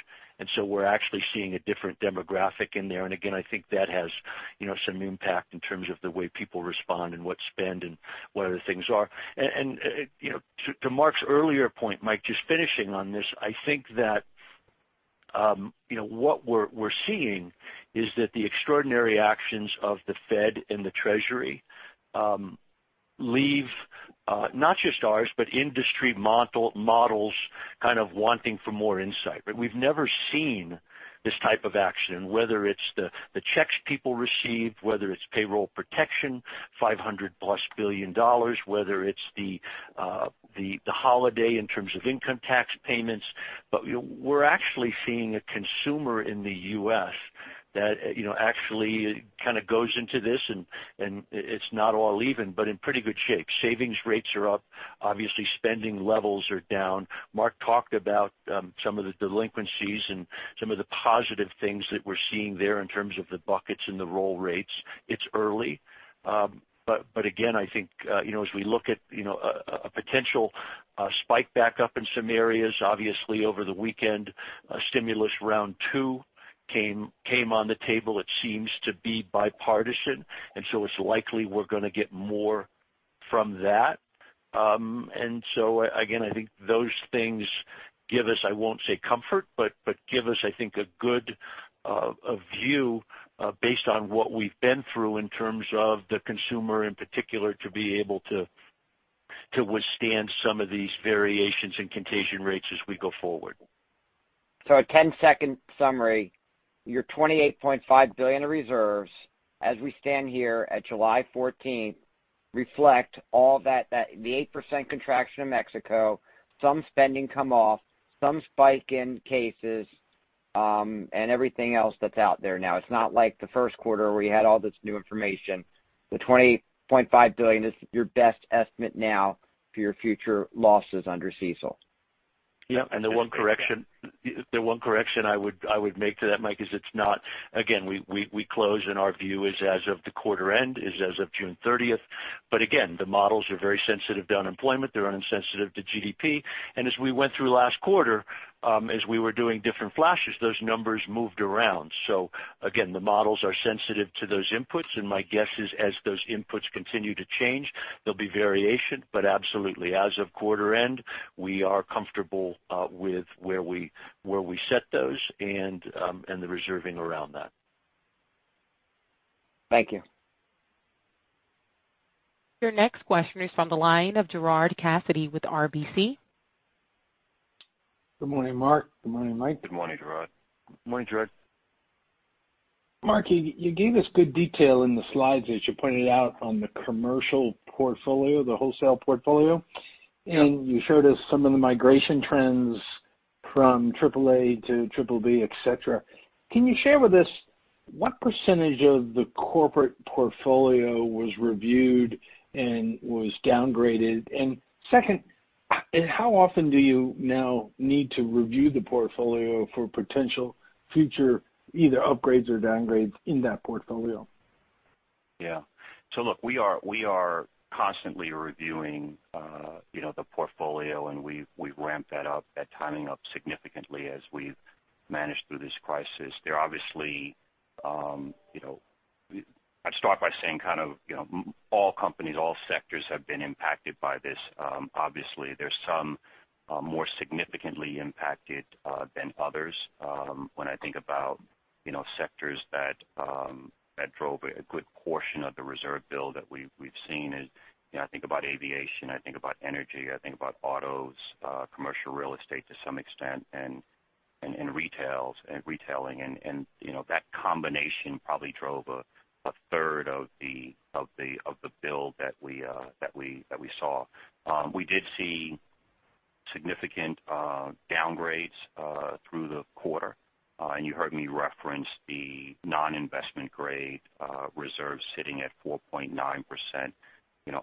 We're actually seeing a different demographic in there. Again, I think that has some impact in terms of the way people respond and what's spend and what other things are. To Mark's earlier point, Mike, just finishing on this, I think that what we're seeing is that the extraordinary actions of the Fed and the Treasury leave not just ours, but industry models kind of wanting for more insight. We've never seen this type of action, whether it's the checks people receive, whether it's Payroll Protection, $500 billion plus, whether it's the holiday in terms of income tax payments. We're actually seeing a consumer in the U.S. that actually kind of goes into this and it's not all even, but in pretty good shape. Savings rates are up. Obviously spending levels are down. Mark talked about some of the delinquencies and some of the positive things that we're seeing there in terms of the buckets and the roll rates. It's early. I think as we look at a potential spike back up in some areas, obviously over the weekend, stimulus round 2 came on the table. It seems to be bipartisan. It's likely we're going to get more from that. I think those things give us, I won't say comfort, but give us a good view based on what we've been through in terms of the consumer in particular, to be able to withstand some of these variations in contagion rates as we go forward.
A 10-second summary, your $28.5 billion of reserves, as we stand here at July 14th, reflect all that, the 8% contraction in Mexico, some spending come off, some spike in cases, and everything else that's out there now. It's not like the first quarter where you had all this new information. The $28.5 billion is your best estimate now for your future losses under CECL.
Yep. The one correction I would make to that, Mike, is again, we close and our view is as of the quarter end, is as of June 30th. Again, the models are very sensitive to unemployment. They're insensitive to GDP. As we went through last quarter, as we were doing different flashes, those numbers moved around. Again, the models are sensitive to those inputs, and my guess is as those inputs continue to change, there'll be variation. Absolutely, as of quarter end, we are comfortable with where we set those and the reserving around that.
Thank you.
Your next question is from the line of Gerard Cassidy with RBC.
Good morning, Mark. Good morning, Mike.
Good morning, Gerard.
Good morning, Gerard.
Mark, you gave us good detail in the slides as you pointed out on the commercial portfolio, the wholesale portfolio.
Yep.
You showed us some of the migration trends from triple A to triple B, et cetera. Can you share with us what % of the corporate portfolio was reviewed and was downgraded? Second, how often do you now need to review the portfolio for potential future either upgrades or downgrades in that portfolio?
Look, we are constantly reviewing the portfolio, and we've ramped that timing up significantly as we've managed through this crisis. I'd start by saying kind of all companies, all sectors have been impacted by this. There's some more significantly impacted than others. When I think about sectors that drove a good portion of the reserve build that we've seen is I think about aviation, I think about energy, I think about autos, commercial real estate to some extent, and retailing. That combination probably drove a third of the build that we saw. We did see significant downgrades through the quarter. You heard me reference the non-investment grade reserves sitting at 4.9%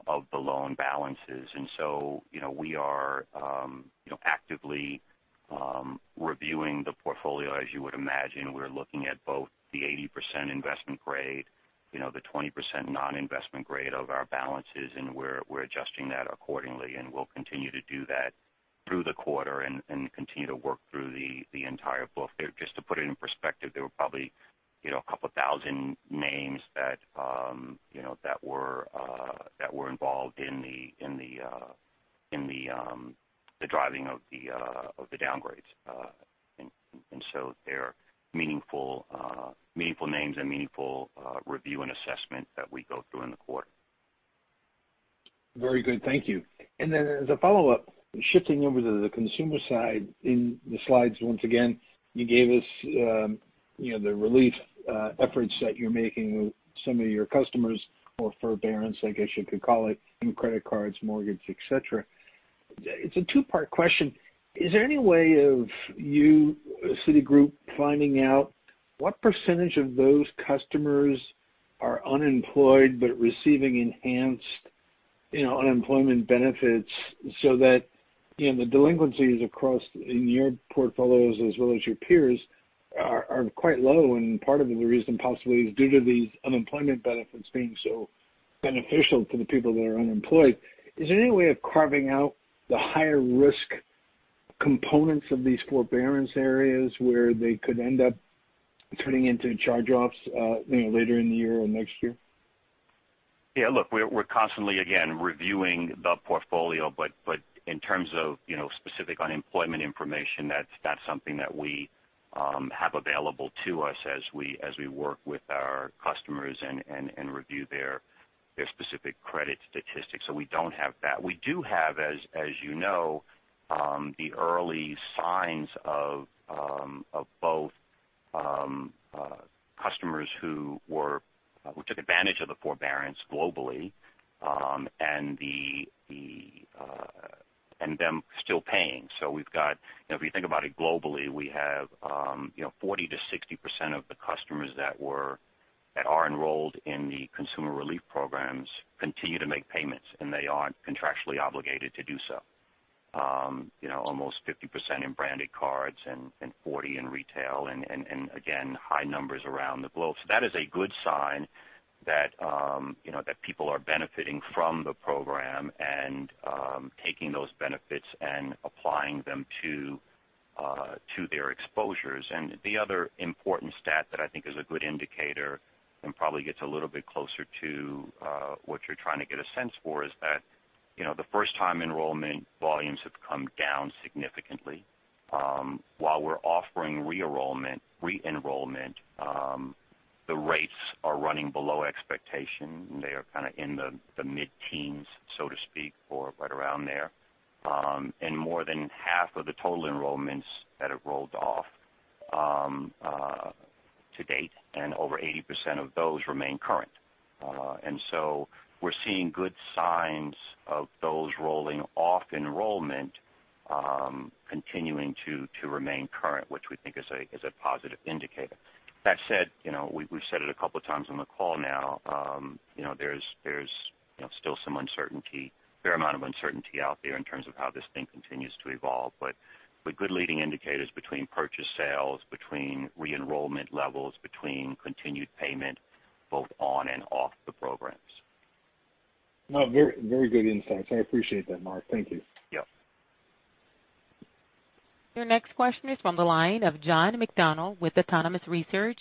of the loan balances. We are actively reviewing the portfolio. As you would imagine, we're looking at both the 80% investment grade, the 20% non-investment grade of our balances, and we're adjusting that accordingly, and we'll continue to do that through the quarter and continue to work through the entire book. Just to put it in perspective, there were probably a couple thousand names that were involved in the driving of the downgrades. They're meaningful names and meaningful review and assessment that we go through in the quarter.
Very good. Thank you. As a follow-up, shifting over to the consumer side in the slides, once again, you gave us the relief efforts that you're making with some of your customers or forbearance, I guess you could call it, in credit cards, mortgage, et cetera. It's a two-part question. Is there any way of you, Citigroup, finding out what % of those customers are unemployed but receiving enhanced unemployment benefits so that the delinquencies across in your portfolios as well as your peers are quite low, and part of the reason possibly is due to these unemployment benefits being so beneficial to the people that are unemployed. Is there any way of carving out the higher risk components of these forbearance areas where they could end up turning into charge-offs later in the year or next year?
Yeah, look, we're constantly, again, reviewing the portfolio, but in terms of specific unemployment information, that's something that we have available to us as we work with our customers and review their specific credit statistics. We don't have that. We do have, as you know, the early signs of both customers who took advantage of the forbearance globally, and them still paying. If you think about it globally, we have 40%-60% of the customers that are enrolled in the consumer relief programs continue to make payments, and they aren't contractually obligated to do so. Almost 50% in branded cards and 40% in retail, and again, high numbers around the globe. That is a good sign that people are benefiting from the program and taking those benefits and applying them to
To their exposures. The other important stat that I think is a good indicator and probably gets a little bit closer to what you're trying to get a sense for is that the first-time enrollment volumes have come down significantly. While we're offering re-enrollment, the rates are running below expectation, and they are kind of in the mid-teens, so to speak, or right around there. More than half of the total enrollments that have rolled off to date and over 80% of those remain current. We're seeing good signs of those rolling off enrollment continuing to remain current, which we think is a positive indicator. That said, we've said it a couple of times on the call now. There's still some uncertainty, fair amount of uncertainty out there in terms of how this thing continues to evolve. Good leading indicators between purchase sales, between re-enrollment levels, between continued payment both on and off the programs.
No, very good insights. I appreciate that, Mark. Thank you.
Yep.
Your next question is from the line of John McDonald with Autonomous Research.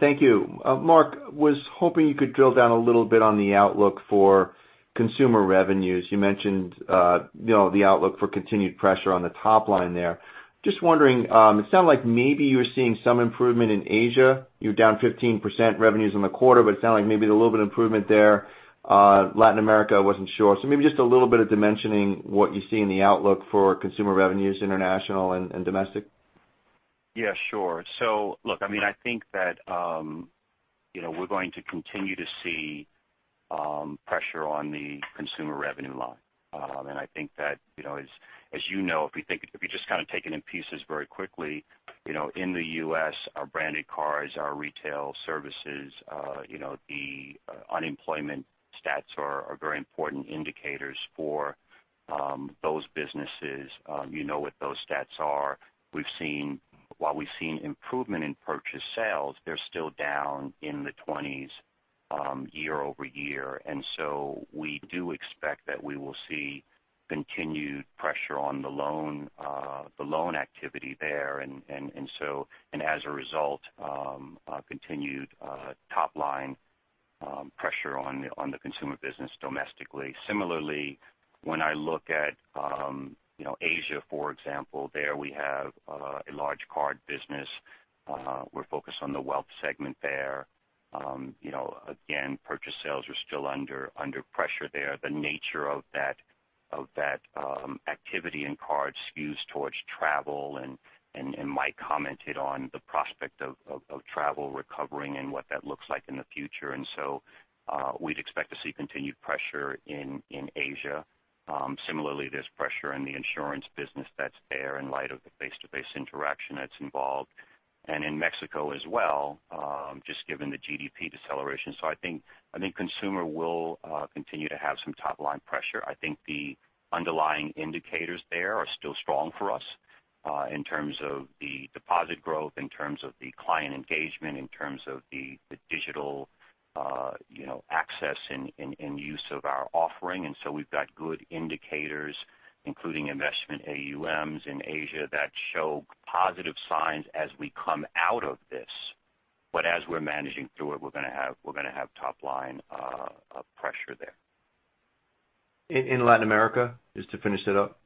Thank you. Mark, was hoping you could drill down a little bit on the outlook for consumer revenues. You mentioned the outlook for continued pressure on the top line there. Just wondering, it sounded like maybe you were seeing some improvement in Asia. You were down 15% revenues in the quarter, but it sounded like maybe a little bit of improvement there. Latin America, I wasn't sure. Maybe just a little bit of dimensioning what you see in the outlook for consumer revenues, international and domestic.
Look, I think that we're going to continue to see pressure on the consumer revenue line. I think that as you know, if you just kind of take it in pieces very quickly, in the U.S., our branded cards, our retail services, the unemployment stats are very important indicators for those businesses. You know what those stats are. While we've seen improvement in purchase sales, they're still down in the 20s year-over-year. We do expect that we will see continued pressure on the loan activity there. As a result, continued top line pressure on the consumer business domestically. Similarly, when I look at Asia, for example. There we have a large card business. We're focused on the wealth segment there. Again, purchase sales are still under pressure there. The nature of that activity in card skews towards travel, and Mike commented on the prospect of travel recovering and what that looks like in the future. We'd expect to see continued pressure in Asia. Similarly, there's pressure in the insurance business that's there in light of the face-to-face interaction that's involved. In Mexico as well, just given the GDP deceleration. I think consumer will continue to have some top-line pressure. I think the underlying indicators there are still strong for us in terms of the deposit growth, in terms of the client engagement, in terms of the digital access and use of our offering. We've got good indicators, including investment AUMs in Asia that show positive signs as we come out of this. As we're managing through it, we're going to have top line pressure there.
In Latin America, just to finish it up?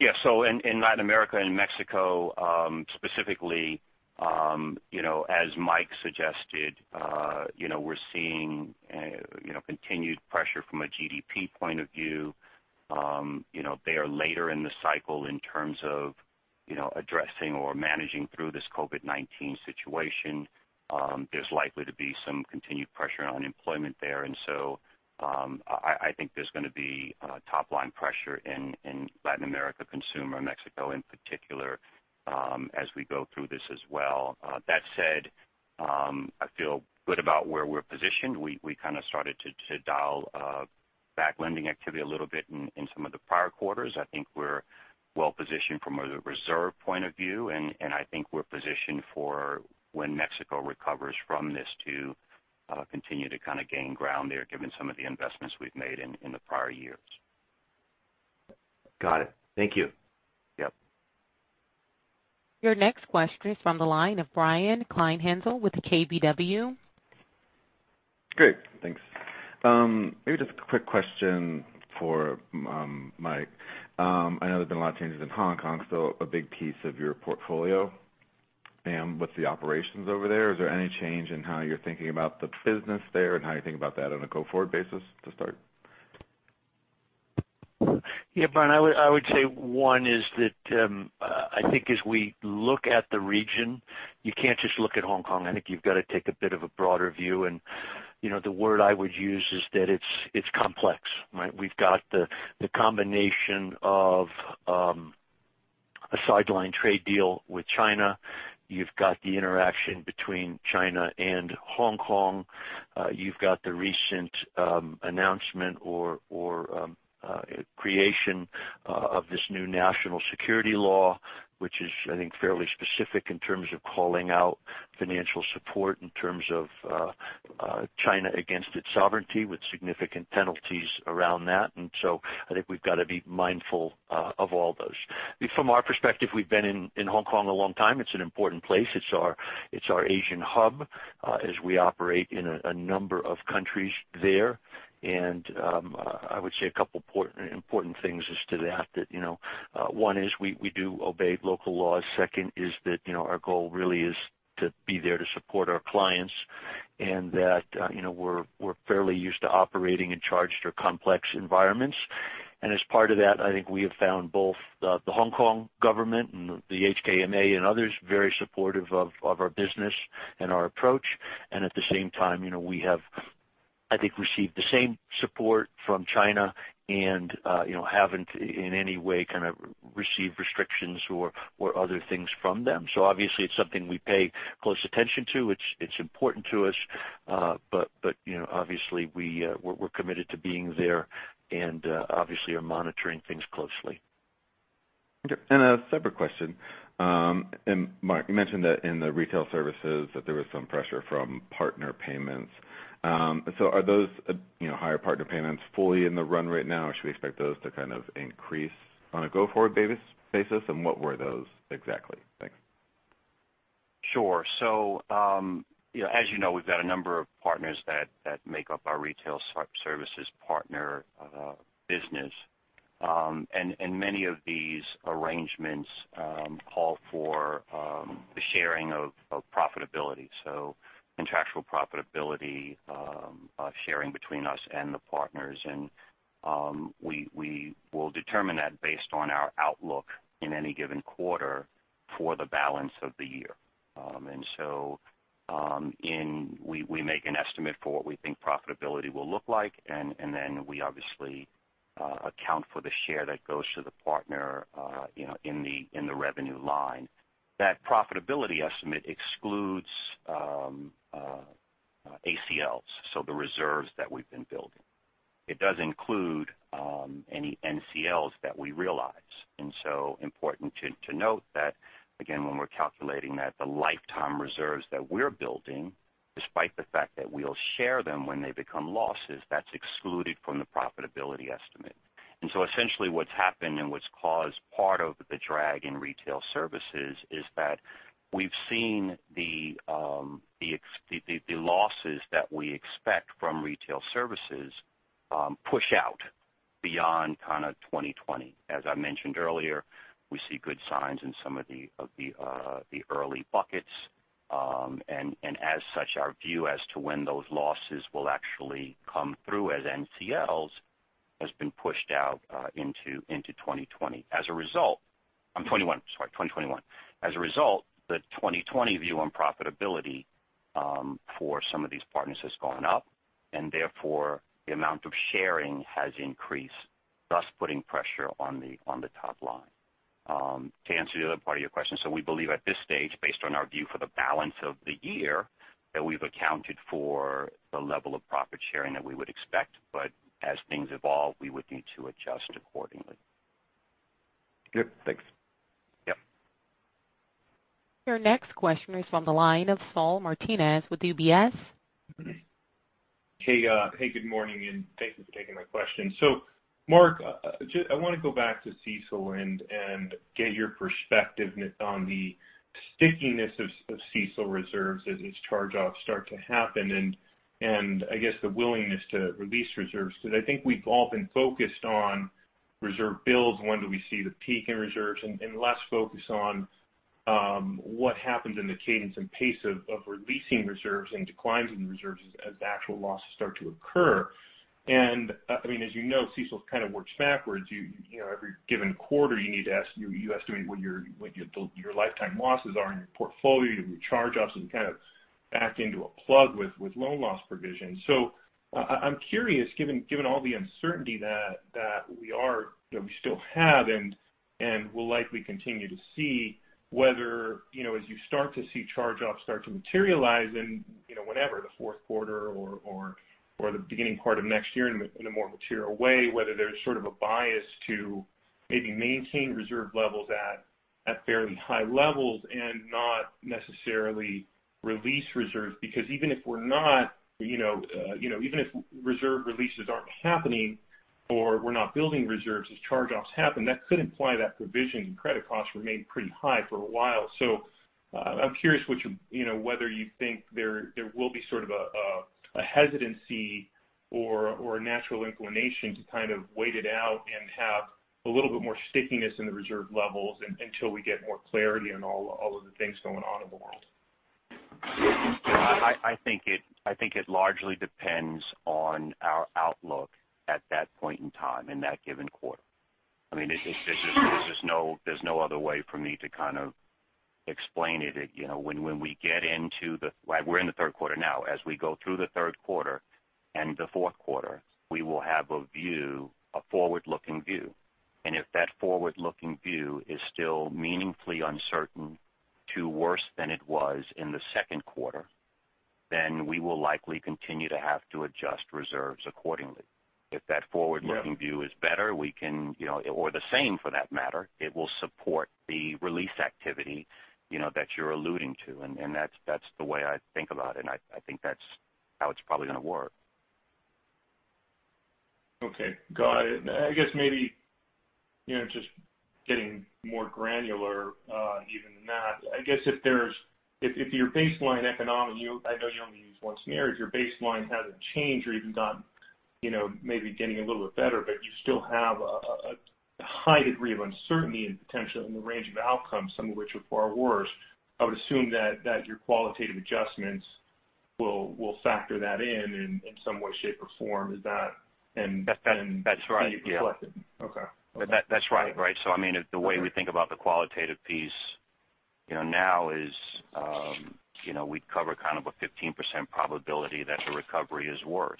In Latin America and Mexico specifically as Mike suggested we're seeing continued pressure from a GDP point of view. They are later in the cycle in terms of addressing or managing through this COVID-19 situation. There's likely to be some continued pressure on employment there. I think there's going to be top line pressure in Latin America Consumer, Mexico in particular as we go through this as well. That said I feel good about where we're positioned. We kind of started to dial back lending activity a little bit in some of the prior quarters. I think we're well positioned from a reserve point of view, and I think we're positioned for when Mexico recovers from this to continue to kind of gain ground there given some of the investments we've made in the prior years.
Got it. Thank you.
Yep.
Your next question is from the line of Brian Kleinhanzl with KBW.
Great. Thanks. Maybe just a quick question for Mike. I know there's been a lot of changes in Hong Kong, a big piece of your portfolio. What's the operations over there? Is there any change in how you're thinking about the business there, and how you think about that on a go-forward basis to start?
Yeah, Brian, I would say one is that I think as we look at the region, you can't just look at Hong Kong. I think you've got to take a bit of a broader view, the word I would use is that it's complex, right? We've got the combination of a sideline trade deal with China. You've got the interaction between China and Hong Kong. You've got the recent announcement or creation of this new National Security Law, which is, I think, fairly specific in terms of calling out financial support, in terms of China against its sovereignty with significant penalties around that. I think we've got to be mindful of all those. From our perspective, we've been in Hong Kong a long time. It's an important place. It's our Asian hub as we operate in a number of countries there. I would say a couple important things as to that. One is we do obey local laws. Second is that our goal really is to be there to support our clients and that we're fairly used to operating in charged or complex environments. As part of that, I think we have found both the Hong Kong government and the HKMA and others very supportive of our business and our approach. At the same time, we have, I think, received the same support from China and haven't in any way kind of received restrictions or other things from them. Obviously it's something we pay close attention to. It's important to us. Obviously we're committed to being there and obviously are monitoring things closely.
Okay. A separate question. Mark, you mentioned that in the retail services that there was some pressure from partner payments. Are those higher partner payments fully in the run rate now, or should we expect those to kind of increase on a go-forward basis? What were those exactly? Thanks.
Sure. As you know, we've got a number of partners that make up our retail services partner business. Many of these arrangements call for the sharing of profitability, so contractual profitability sharing between us and the partners. We will determine that based on our outlook in any given quarter for the balance of the year. We make an estimate for what we think profitability will look like, and then we obviously account for the share that goes to the partner in the revenue line. That profitability estimate excludes ACLs, so the reserves that we've been building. It does include any NCLs that we realize. Important to note that, again, when we're calculating that the lifetime reserves that we're building, despite the fact that we'll share them when they become losses, that's excluded from the profitability estimate. Essentially what's happened and what's caused part of the drag in retail services is that we've seen the losses that we expect from retail services push out beyond 2020. As I mentioned earlier, we see good signs in some of the early buckets. As such, our view as to when those losses will actually come through as NCLs has been pushed out into 2021. As a result, the 2020 view on profitability for some of these partners has gone up, and therefore the amount of sharing has increased, thus putting pressure on the top line. To answer the other part of your question, we believe at this stage, based on our view for the balance of the year, that we've accounted for the level of profit sharing that we would expect. As things evolve, we would need to adjust accordingly.
Good. Thanks.
Yep.
Your next question is from the line of Saul Martinez with UBS.
Hey good morning, and thank you for taking my question. Mark, I want to go back to CECL and get your perspective on the stickiness of CECL reserves as these charge-offs start to happen, and I guess the willingness to release reserves. I think we've all been focused on reserve builds, when do we see the peak in reserves, and less focused on what happens in the cadence and pace of releasing reserves and declines in reserves as actual losses start to occur. As you know, CECL kind of works backwards. Every given quarter you need to estimate what your lifetime losses are in your portfolio, your charge-offs, and kind of back into a plug with loan loss provision. I'm curious, given all the uncertainty that we still have and will likely continue to see, whether as you start to see charge-offs start to materialize in whenever, the fourth quarter or the beginning part of next year in a more material way, whether there's sort of a bias to maybe maintain reserve levels at fairly high levels and not necessarily release reserves. Even if reserve releases aren't happening or we're not building reserves as charge-offs happen, that could imply that provision and credit costs remain pretty high for a while. I'm curious whether you think there will be sort of a hesitancy or a natural inclination to kind of wait it out and have a little bit more stickiness in the reserve levels until we get more clarity on all of the things going on in the world.
I think it largely depends on our outlook at that point in time, in that given quarter. There's no other way for me to kind of explain it. When we get into we're in the third quarter now. As we go through the third quarter and the fourth quarter, we will have a view, a forward-looking view. If that forward-looking view is still meaningfully uncertain to worse than it was in the second quarter. We will likely continue to have to adjust reserves accordingly. If that forward-looking.
Yeah
view is better, or the same for that matter, it will support the release activity that you're alluding to. That's the way I think about it. I think that's how it's probably going to work.
Okay. Got it. I guess maybe, just getting more granular even than that. I know you only use one scenario. If your baseline hasn't changed or even maybe getting a little bit better, but you still have a high degree of uncertainty and potential in the range of outcomes, some of which are far worse, I would assume that your qualitative adjustments will factor that in some way, shape, or form. Is that.
That's right. Yeah
being reflected? Okay.
That's right. The way we think about the qualitative piece now is we cover kind of a 15% probability that the recovery is worse.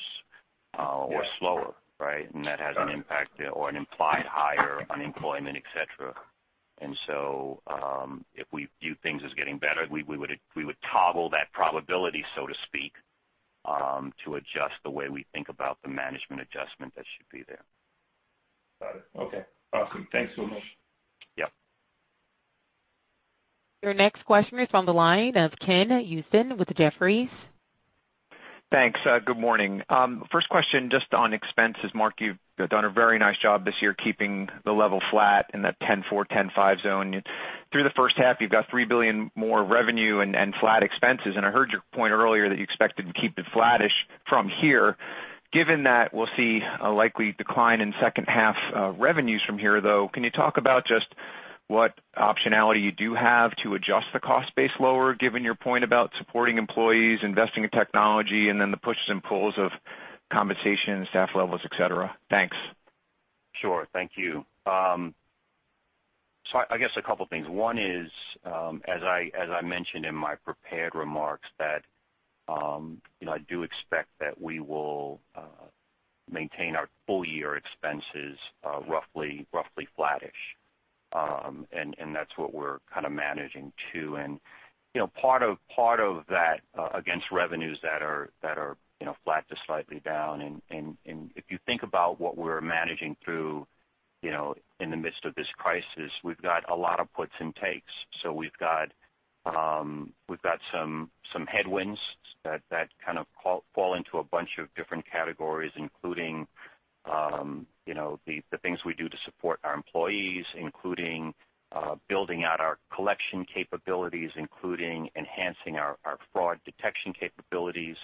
Yeah
or slower, right? That has an impact there or an implied higher unemployment, et cetera. If we view things as getting better, we would toggle that probability, so to speak, to adjust the way we think about the management adjustment that should be there.
Got it. Okay. Awesome. Thanks so much.
Yeah.
Your next question is on the line of Ken Usdin with Jefferies.
Thanks. Good morning. First question just on expenses. Mark, you've done a very nice job this year keeping the level flat in that $10.4, $10.5 zone. Through the first half, you've got $3 billion more revenue and flat expenses. I heard your point earlier that you expected to keep it flattish from here. Given that we'll see a likely decline in second half revenues from here, though, can you talk about just what optionality you do have to adjust the cost base lower, given your point about supporting employees, investing in technology, and then the pushes and pulls of compensation, staff levels, et cetera? Thanks.
Sure. Thank you. I guess a couple things. One is, as I mentioned in my prepared remarks, that I do expect that we will maintain our full-year expenses roughly flattish. That's what we're kind of managing to. Part of that against revenues that are flat to slightly down, and if you think about what we're managing through in the midst of this crisis, we've got a lot of puts and takes. We've got some headwinds that kind of fall into a bunch of different categories, including the things we do to support our employees, including building out our collection capabilities, including enhancing our fraud detection capabilities.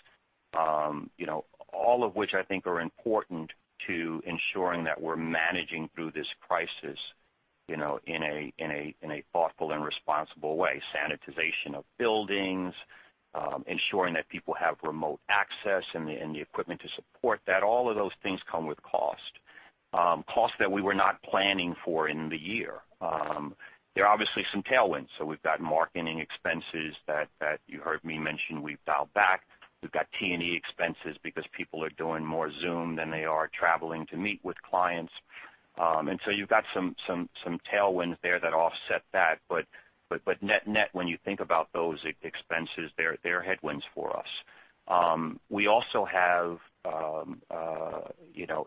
All of which I think are important to ensuring that we're managing through this crisis in a thoughtful and responsible way. Sanitization of buildings, ensuring that people have remote access and the equipment to support that. All of those things come with cost. Cost that we were not planning for in the year. There are obviously some tailwinds. We've got marketing expenses that you heard me mention we've dialed back. We've got T&E expenses because people are doing more Zoom than they are traveling to meet with clients. You've got some tailwinds there that offset that, but net-net, when you think about those expenses, they're headwinds for us. We also have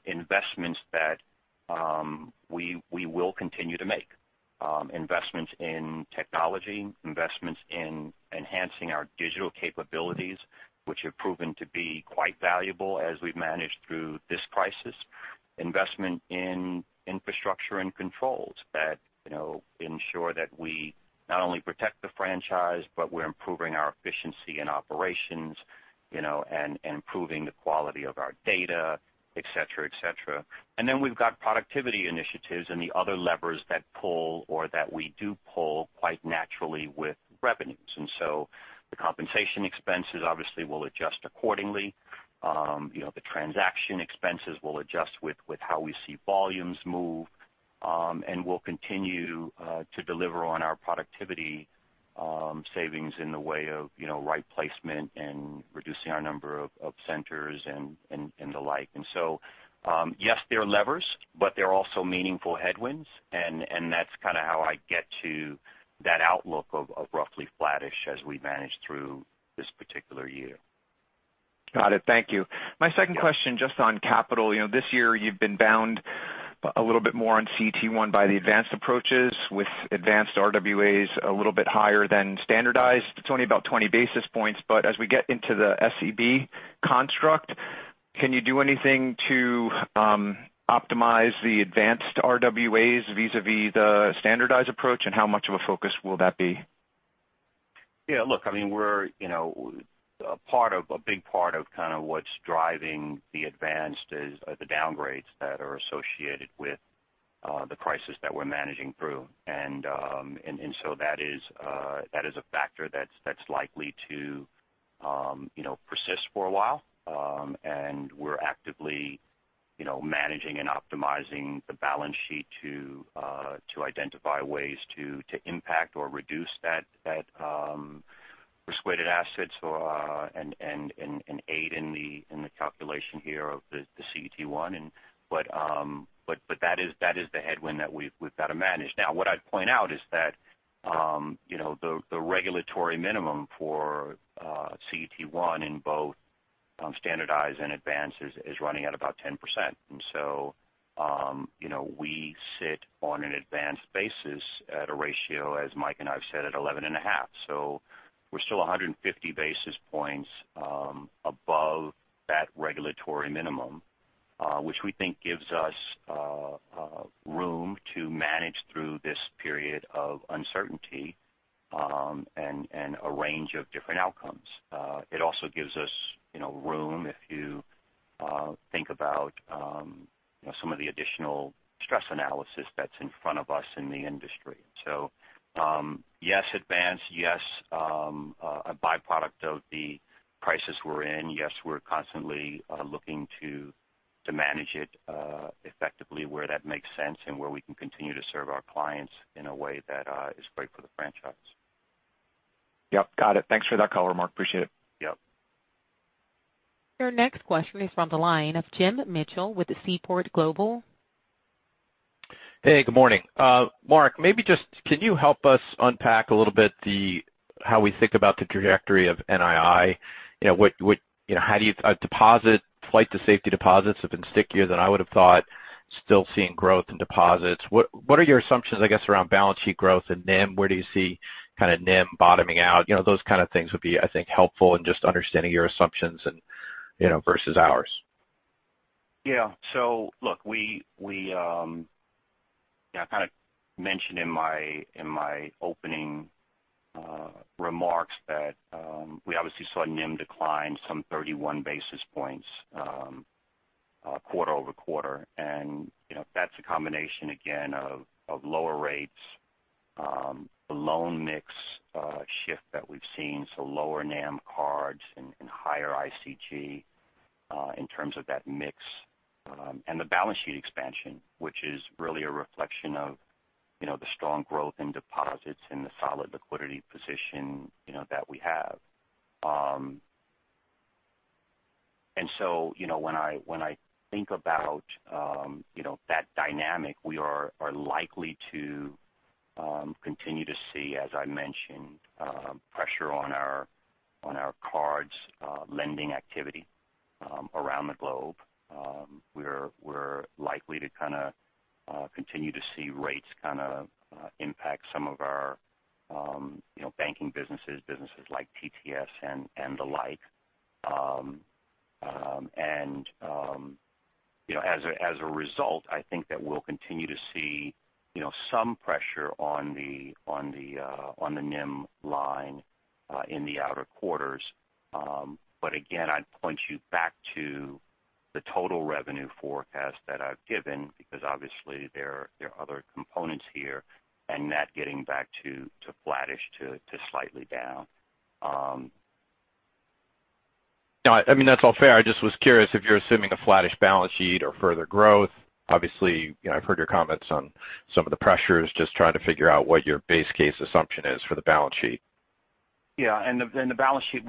investments that we will continue to make. Investments in technology, investments in enhancing our digital capabilities, which have proven to be quite valuable as we've managed through this crisis. Investment in infrastructure and controls that ensure that we not only protect the franchise, but we're improving our efficiency and operations, and improving the quality of our data, et cetera. Then we've got productivity initiatives and the other levers that pull or that we do pull quite naturally with revenues. The compensation expenses obviously will adjust accordingly. The transaction expenses will adjust with how we see volumes move. We'll continue to deliver on our productivity savings in the way of right placement and reducing our number of centers and the like. Yes, they're levers, but they're also meaningful headwinds, and that's kind of how I get to that outlook of roughly flattish as we manage through this particular year.
Got it. Thank you.
Yeah.
My second question, just on capital. This year, you've been bound a little bit more on CET1 by the advanced approaches with advanced RWAs a little bit higher than standardized. It's only about 20 basis points, as we get into the SCB construct, can you do anything to optimize the advanced RWAs vis-a-vis the standardized approach, and how much of a focus will that be?
Yeah, look, a big part of kind of what's driving the Advanced is the downgrades that are associated with the crisis that we're managing through. That is a factor that's likely to persist for a while. We're actively managing and optimizing the balance sheet to identify ways to impact or reduce that risk-weighted assets, and aid in the calculation here of the CET1. That is the headwind that we've got to manage. Now, what I'd point out is that the regulatory minimum for CET1 in both Standardized and Advanced is running at about 10%. We sit on an Advanced basis at a ratio, as Mike and I've said, at 11.5. We're still 150 basis points above that regulatory minimum, which we think gives us room to manage through this period of uncertainty and a range of different outcomes. It also gives us room, if you think about some of the additional stress analysis that's in front of us in the industry. Yes, advance, yes, a byproduct of the prices we're in. Yes, we're constantly looking to manage it effectively where that makes sense and where we can continue to serve our clients in a way that is great for the franchise.
Yep, got it. Thanks for that color, Mark. Appreciate it.
Yep.
Your next question is from the line of James Mitchell with Seaport Global.
Hey, good morning. Mark, maybe just can you help us unpack a little bit how we think about the trajectory of NII. Flight to safety deposits have been stickier than I would have thought, still seeing growth in deposits. What are your assumptions, I guess, around balance sheet growth and NIM? Where do you see NIM bottoming out? Those kind of things would be, I think, helpful in just understanding your assumptions and versus ours.
Yeah. Look, I kind of mentioned in my opening remarks that we obviously saw NIM decline some 31 basis points quarter-over-quarter. That's a combination, again, of lower rates, the loan mix shift that we've seen, so lower NAM cards and higher ICG, in terms of that mix. The balance sheet expansion, which is really a reflection of the strong growth in deposits and the solid liquidity position that we have. When I think about that dynamic, we are likely to continue to see, as I mentioned, pressure on our cards lending activity around the globe. We're likely to kind of continue to see rates kind of impact some of our banking businesses like TTS and the like. As a result, I think that we'll continue to see some pressure on the NIM line in the outer quarters. Again, I'd point you back to the total revenue forecast that I've given because obviously there are other components here and that getting back to flattish to slightly down.
That's all fair. I just was curious if you're assuming a flattish balance sheet or further growth. Obviously, I've heard your comments on some of the pressures. Just trying to figure out what your base case assumption is for the balance sheet.
Yeah. The balance sheet,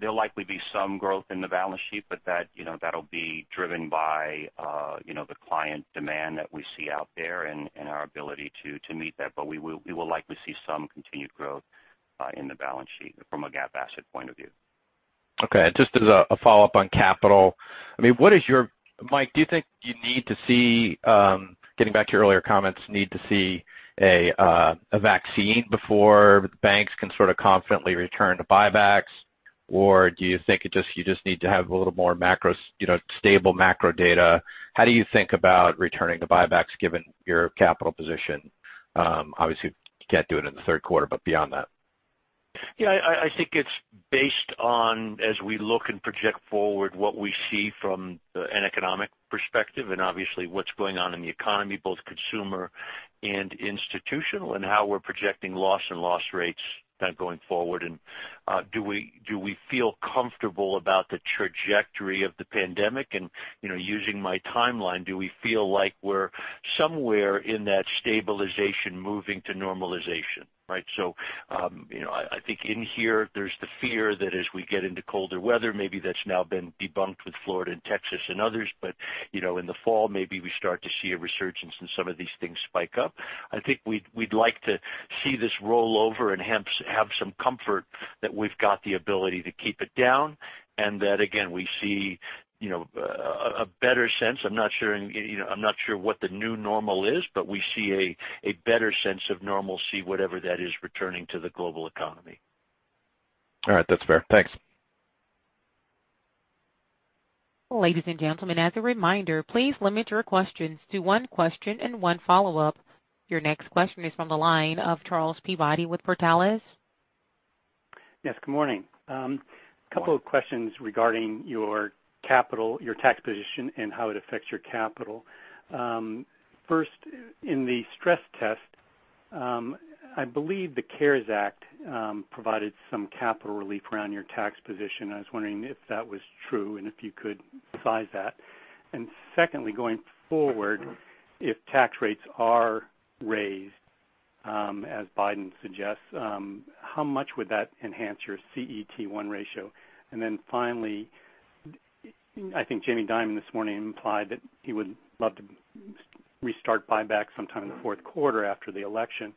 there'll likely be some growth in the balance sheet, but that'll be driven by the client demand that we see out there and our ability to meet that. We will likely see some continued growth in the balance sheet from a GAAP asset point of view.
Okay. Just as a follow-up on capital. Mike, do you think you need to see, getting back to your earlier comments, need to see a vaccine before banks can sort of confidently return to buybacks? Or do you think you just need to have a little more stable macro data? How do you think about returning to buybacks given your capital position? Obviously, you can't do it in the third quarter, but beyond that.
Yeah, I think it's based on, as we look and project forward, what we see from an economic perspective, and obviously what's going on in the economy, both consumer and institutional, and how we're projecting loss and loss rates kind of going forward. Do we feel comfortable about the trajectory of the pandemic and, using my timeline, do we feel like we're somewhere in that stabilization moving to normalization, right? I think in here, there's the fear that as we get into colder weather, maybe that's now been debunked with Florida and Texas and others, but in the fall, maybe we start to see a resurgence in some of these things spike up. I think we'd like to see this roll over and have some comfort that we've got the ability to keep it down and that, again, we see a better sense. I'm not sure what the new normal is, but we see a better sense of normalcy, whatever that is, returning to the global economy.
All right. That's fair. Thanks.
Ladies and gentlemen, as a reminder, please limit your questions to one question and one follow-up. Your next question is from the line of Charles Peabody with Portales.
Yes, good morning.
Good morning.
A couple of questions regarding your capital, your tax position, and how it affects your capital. First, in the stress test, I believe the CARES Act provided some capital relief around your tax position, and I was wondering if that was true, and if you could size that. Secondly, going forward, if tax rates are raised, as Biden suggests, how much would that enhance your CET1 ratio? Finally, I think Jamie Dimon this morning implied that he would love to restart buybacks sometime in the fourth quarter after the election.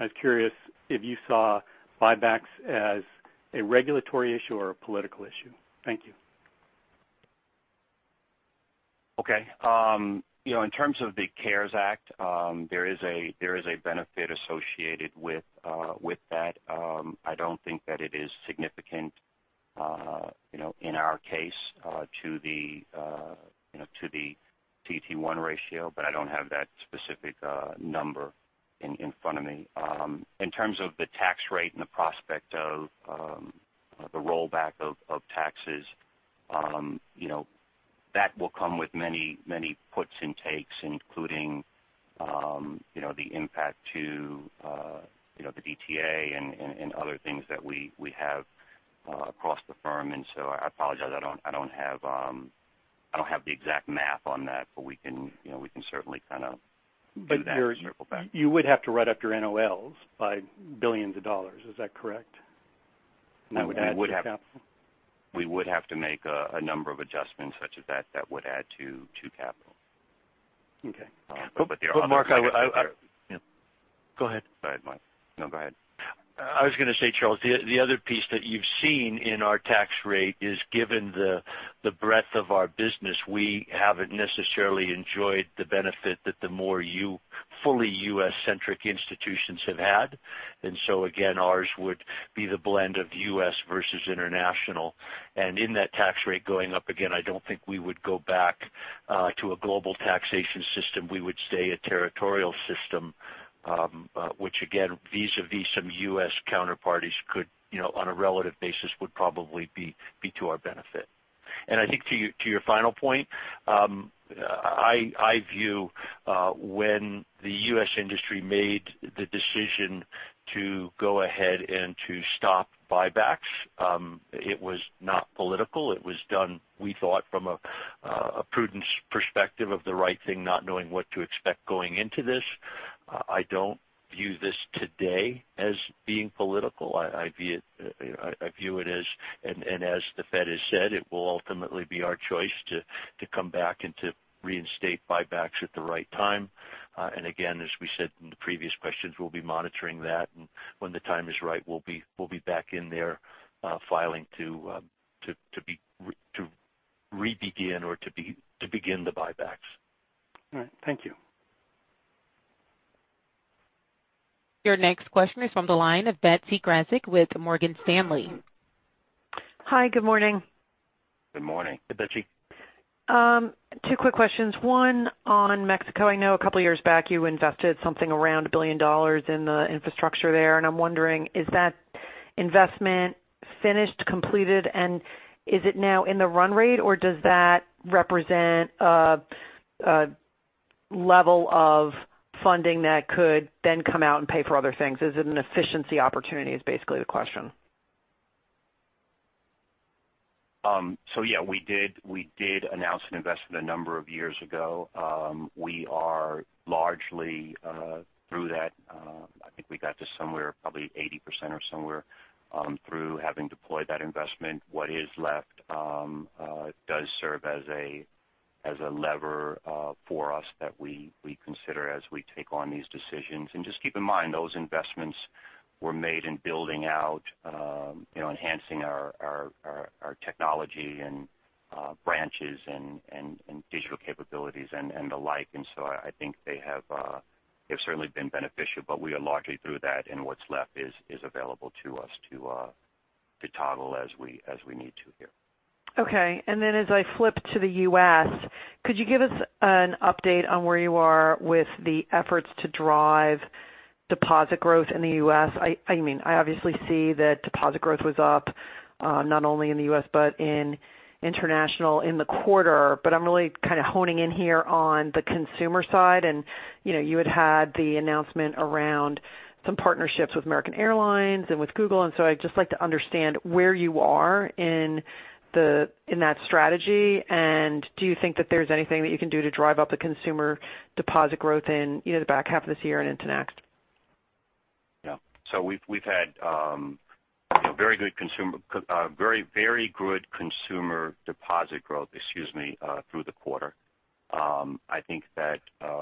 I was curious if you saw buybacks as a regulatory issue or a political issue? Thank you.
Okay. In terms of the CARES Act, there is a benefit associated with that. I don't think that it is significant in our case to the CET1 ratio, but I don't have that specific number in front of me. In terms of the tax rate and the prospect of the rollback of taxes that will come with many puts and takes, including the impact to the DTA and other things that we have across the firm. I apologize, I don't have the exact math on that, but we can certainly kind of do that and circle back.
You would have to write up your NOLs by billions of dollars. Is that correct? That would add to capital.
We would have to make a number of adjustments such as that would add to capital.
Okay.
But there are-
Mark, Go ahead.
Go ahead, Mike. No, go ahead.
I was going to say, Charles, the other piece that you've seen in our tax rate is, given the breadth of our business, we haven't necessarily enjoyed the benefit that the more fully U.S.-centric institutions have had. Again, ours would be the blend of U.S. versus international. In that tax rate going up again, I don't think we would go back to a global taxation system. We would stay a territorial system, which again, vis-a-vis some U.S. counterparties could, on a relative basis, would probably be to our benefit. I think to your final point, I view when the U.S. industry made the decision to go ahead and to stop buybacks it was not political. It was done, we thought, from a prudence perspective of the right thing, not knowing what to expect going into this. I don't view this today as being political. I view it as the Fed has said, it will ultimately be our choice to come back and to reinstate buybacks at the right time. Again, as we said in the previous questions, we'll be monitoring that, and when the time is right, we'll be back in there filing to re-begin or to begin the buybacks. All right. Thank you.
Your next question is from the line of Betsy Graseck with Morgan Stanley.
Hi, good morning.
Good morning. Hey, Betsy.
Two quick questions. One on Mexico. I know a couple of years back you invested something around $1 billion in the infrastructure there. I'm wondering, is that investment finished, completed, and is it now in the run rate, or does that represent a level of funding that could then come out and pay for other things? Is it an efficiency opportunity is basically the question.
Yeah, we did announce an investment a number of years ago. We are largely through that. I think we got to somewhere probably 80% or somewhere through having deployed that investment. What is left does serve as a lever for us that we consider as we take on these decisions. Just keep in mind, those investments were made in building out enhancing our technology and branches and digital capabilities and the like. I think they've certainly been beneficial, but we are largely through that, and what's left is available to us to toggle as we need to here.
Okay. Then as I flip to the U.S., could you give us an update on where you are with the efforts to drive deposit growth in the U.S.? I obviously see that deposit growth was up not only in the U.S. but in international in the quarter, but I'm really kind of honing in here on the consumer side. You had had the announcement around some partnerships with American Airlines and with Google, and so I'd just like to understand where you are in that strategy. Do you think that there's anything that you can do to drive up the consumer deposit growth in either the back half of this year and into next?
We've had very good consumer deposit growth through the quarter. I think that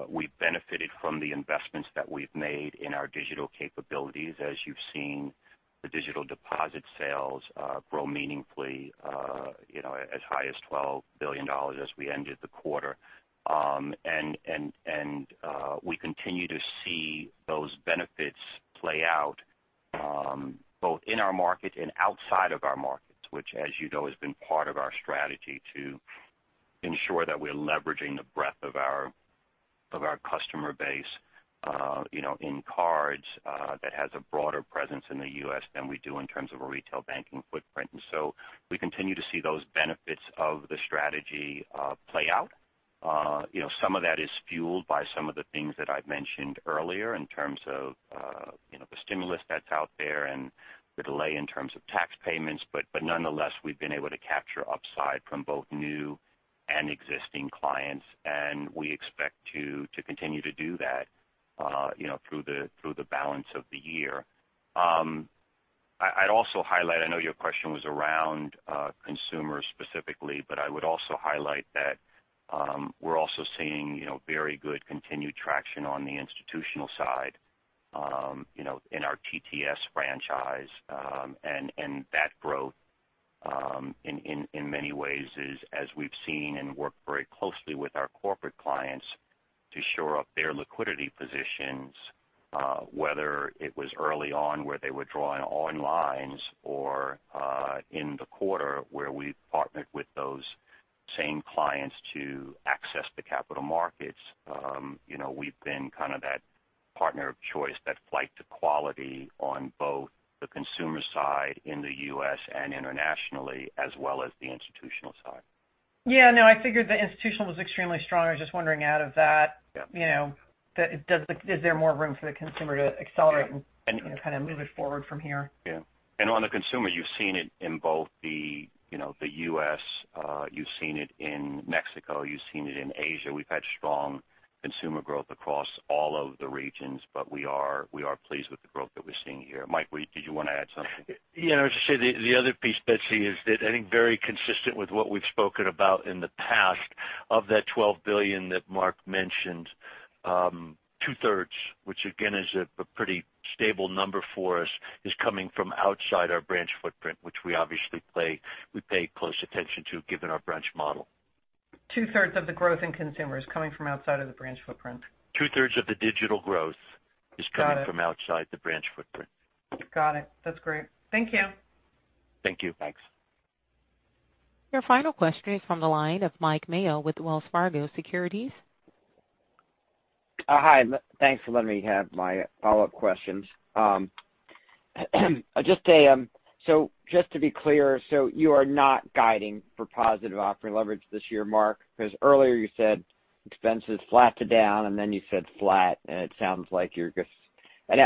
we've benefited from the investments that we've made in our digital capabilities. As you've seen, the digital deposit sales grow meaningfully as high as $12 billion as we ended the quarter. We continue to see those benefits play out both in our market and outside of our markets, which as you know, has been part of our strategy to ensure that we're leveraging the breadth of our customer base in cards that has a broader presence in the U.S. than we do in terms of a retail banking footprint. We continue to see those benefits of the strategy play out. Some of that is fueled by some of the things that I've mentioned earlier in terms of the stimulus that's out there and the delay in terms of tax payments. Nonetheless, we've been able to capture upside from both new and existing clients, and we expect to continue to do that through the balance of the year. I'd also highlight, I know your question was around consumers specifically, but I would also highlight that we're also seeing very good continued traction on the institutional side in our TTS franchise. That growth, in many ways is, as we've seen and worked very closely with our corporate clients to shore up their liquidity positions whether it was early on where they were drawing on lines or in the quarter where we partnered with those same clients to access the capital markets. We've kind of that partner of choice, that flight to quality on both the consumer side in the U.S. and internationally, as well as the institutional side.
Yeah. No, I figured the Institutional was extremely strong. I was just wondering out of that.
Yeah
Is there more room for the consumer to accelerate and kind of move it forward from here?
Yeah. On the consumer, you've seen it in both the U.S., you've seen it in Mexico, you've seen it in Asia. We've had strong consumer growth across all of the regions, but we are pleased with the growth that we're seeing here. Mike, did you want to add something?
I was going to say the other piece, Betsy, is that I think very consistent with what we've spoken about in the past, of that $12 billion that Mark mentioned, two-thirds, which again is a pretty stable number for us, is coming from outside our branch footprint, which we obviously pay close attention to given our branch model.
Two-thirds of the growth in consumers coming from outside of the branch footprint.
Two-thirds of the digital growth.
Got it.
is coming from outside the branch footprint.
Got it. That's great. Thank you.
Thank you.
Thanks.
Your final question is from the line of Mike Mayo with Wells Fargo Securities.
Hi. Thanks for letting me have my follow-up questions. Just to be clear, you are not guiding for positive operating leverage this year, Mark? Earlier you said expenses flat to down, then you said flat, I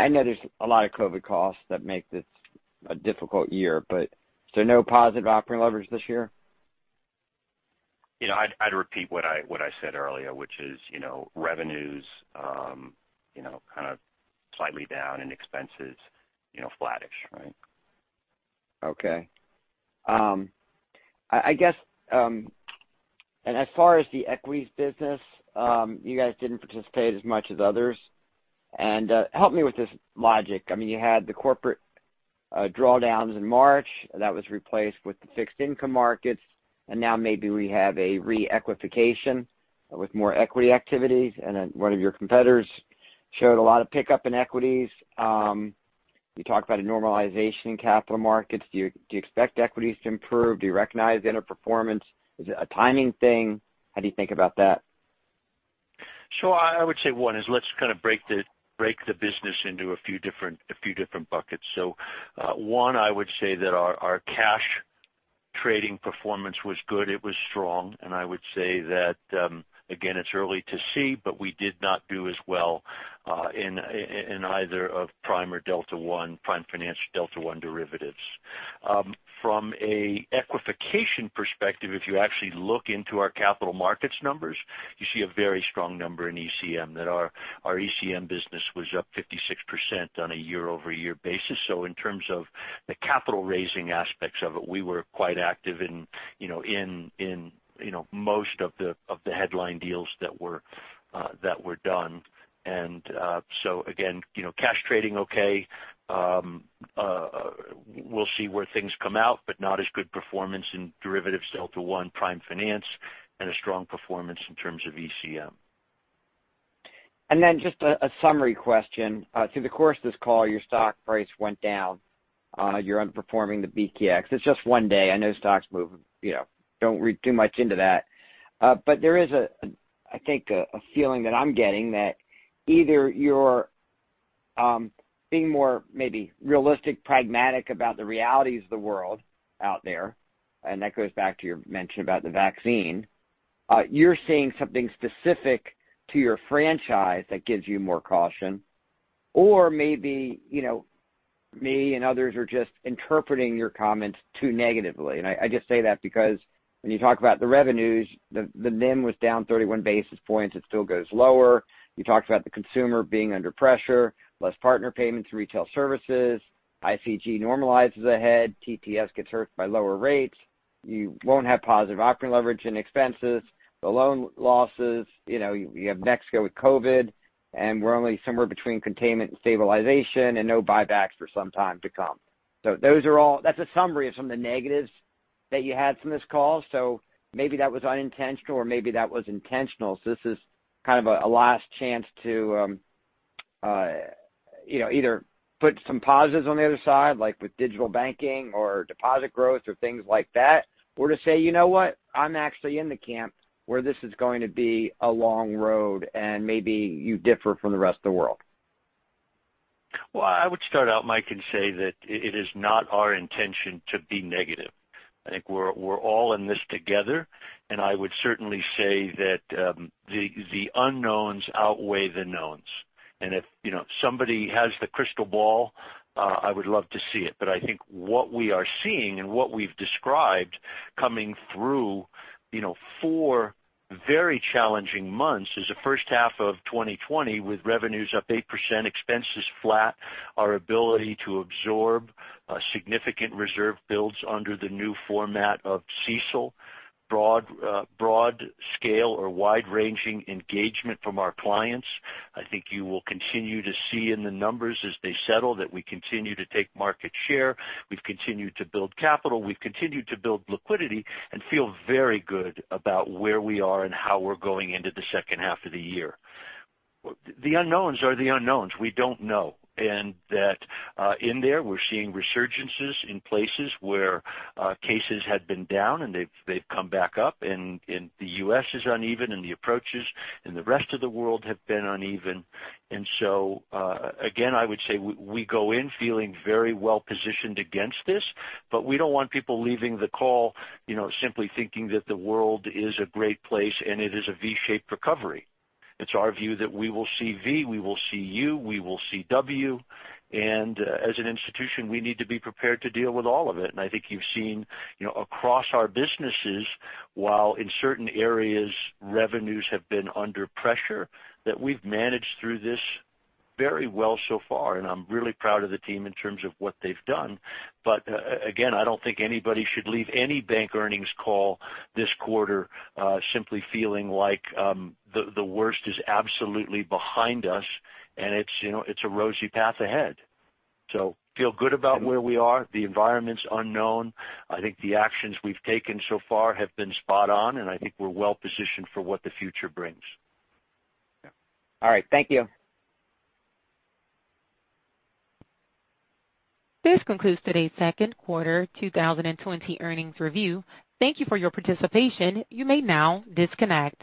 know there's a lot of COVID costs that make this a difficult year, no positive operating leverage this year?
I'd repeat what I said earlier, which is revenues kind of slightly down and expenses flattish.
Okay. I guess, as far as the equities business, you guys didn't participate as much as others. Help me with this logic. You had the corporate drawdowns in March. That was replaced with the fixed income markets, and now maybe we have a re-equification with more equity activities. One of your competitors showed a lot of pickup in equities. You talked about a normalization in capital markets. Do you expect equities to improve? Do you recognize the underperformance? Is it a timing thing? How do you think about that?
I would say, one is let's kind of break the business into a few different buckets. One, I would say that our cash trading performance was good. It was strong. I would say that again, it's early to see, but we did not do as well in either of Prime or Delta One, Prime Finance Delta One derivatives. From a equification perspective, if you actually look into our capital markets numbers, you see a very strong number in ECM, that our ECM business was up 56% on a year-over-year basis. In terms of the capital raising aspects of it, we were quite active in most of the headline deals that were done. Again, cash trading okay. We'll see where things come out, not as good performance in derivatives Delta One Prime Finance, and a strong performance in terms of ECM.
Just a summary question. Through the course of this call, your stock price went down. You're underperforming the BKX. It's just one day. I know stocks move. Don't read too much into that. There is, I think, a feeling that I'm getting that either you're being more maybe realistic, pragmatic about the realities of the world out there, and that goes back to your mention about the vaccine. You're seeing something specific to your franchise that gives you more caution. Maybe, me and others are just interpreting your comments too negatively. I just say that because when you talk about the revenues, the NIM was down 31 basis points. It still goes lower. You talked about the consumer being under pressure, less partner payments in retail services. ICG normalizes ahead. TTS gets hurt by lower rates. You won't have positive operating leverage and expenses. The loan losses, you have Mexico with COVID, and we're only somewhere between containment and stabilization, and no buybacks for some time to come. That's a summary of some of the negatives that you had from this call. Maybe that was unintentional or maybe that was intentional. This is kind of a last chance to either put some positives on the other side, like with digital banking or deposit growth or things like that, or to say, you know what? I'm actually in the camp where this is going to be a long road, and maybe you differ from the rest of the world.
Well, I would start out, Mike, and say that it is not our intention to be negative. I think we're all in this together, and I would certainly say that the unknowns outweigh the knowns. If somebody has the crystal ball, I would love to see it. I think what we are seeing and what we've described coming through four very challenging months as the first half of 2020, with revenues up 8%, expenses flat, our ability to absorb significant reserve builds under the new format of CECL, broad scale or wide-ranging engagement from our clients. I think you will continue to see in the numbers as they settle, that we continue to take market share. We've continued to build capital, we've continued to build liquidity and feel very good about where we are and how we're going into the second half of the year. The unknowns are the unknowns. We don't know. That in there, we're seeing resurgences in places where cases had been down, and they've come back up, and the U.S. is uneven and the approaches in the rest of the world have been uneven. So, again, I would say we go in feeling very well-positioned against this, but we don't want people leaving the call simply thinking that the world is a great place and it is a V-shaped recovery. It's our view that we will see V, we will see U, we will see W. As an institution, we need to be prepared to deal with all of it. I think you've seen across our businesses, while in certain areas revenues have been under pressure, that we've managed through this very well so far. I'm really proud of the team in terms of what they've done. Again, I don't think anybody should leave any bank earnings call this quarter simply feeling like the worst is absolutely behind us, and it's a rosy path ahead. Feel good about where we are. The environment's unknown. I think the actions we've taken so far have been spot on, and I think we're well positioned for what the future brings.
All right. Thank you.
This concludes today's second quarter 2020 earnings review. Thank you for your participation. You may now disconnect.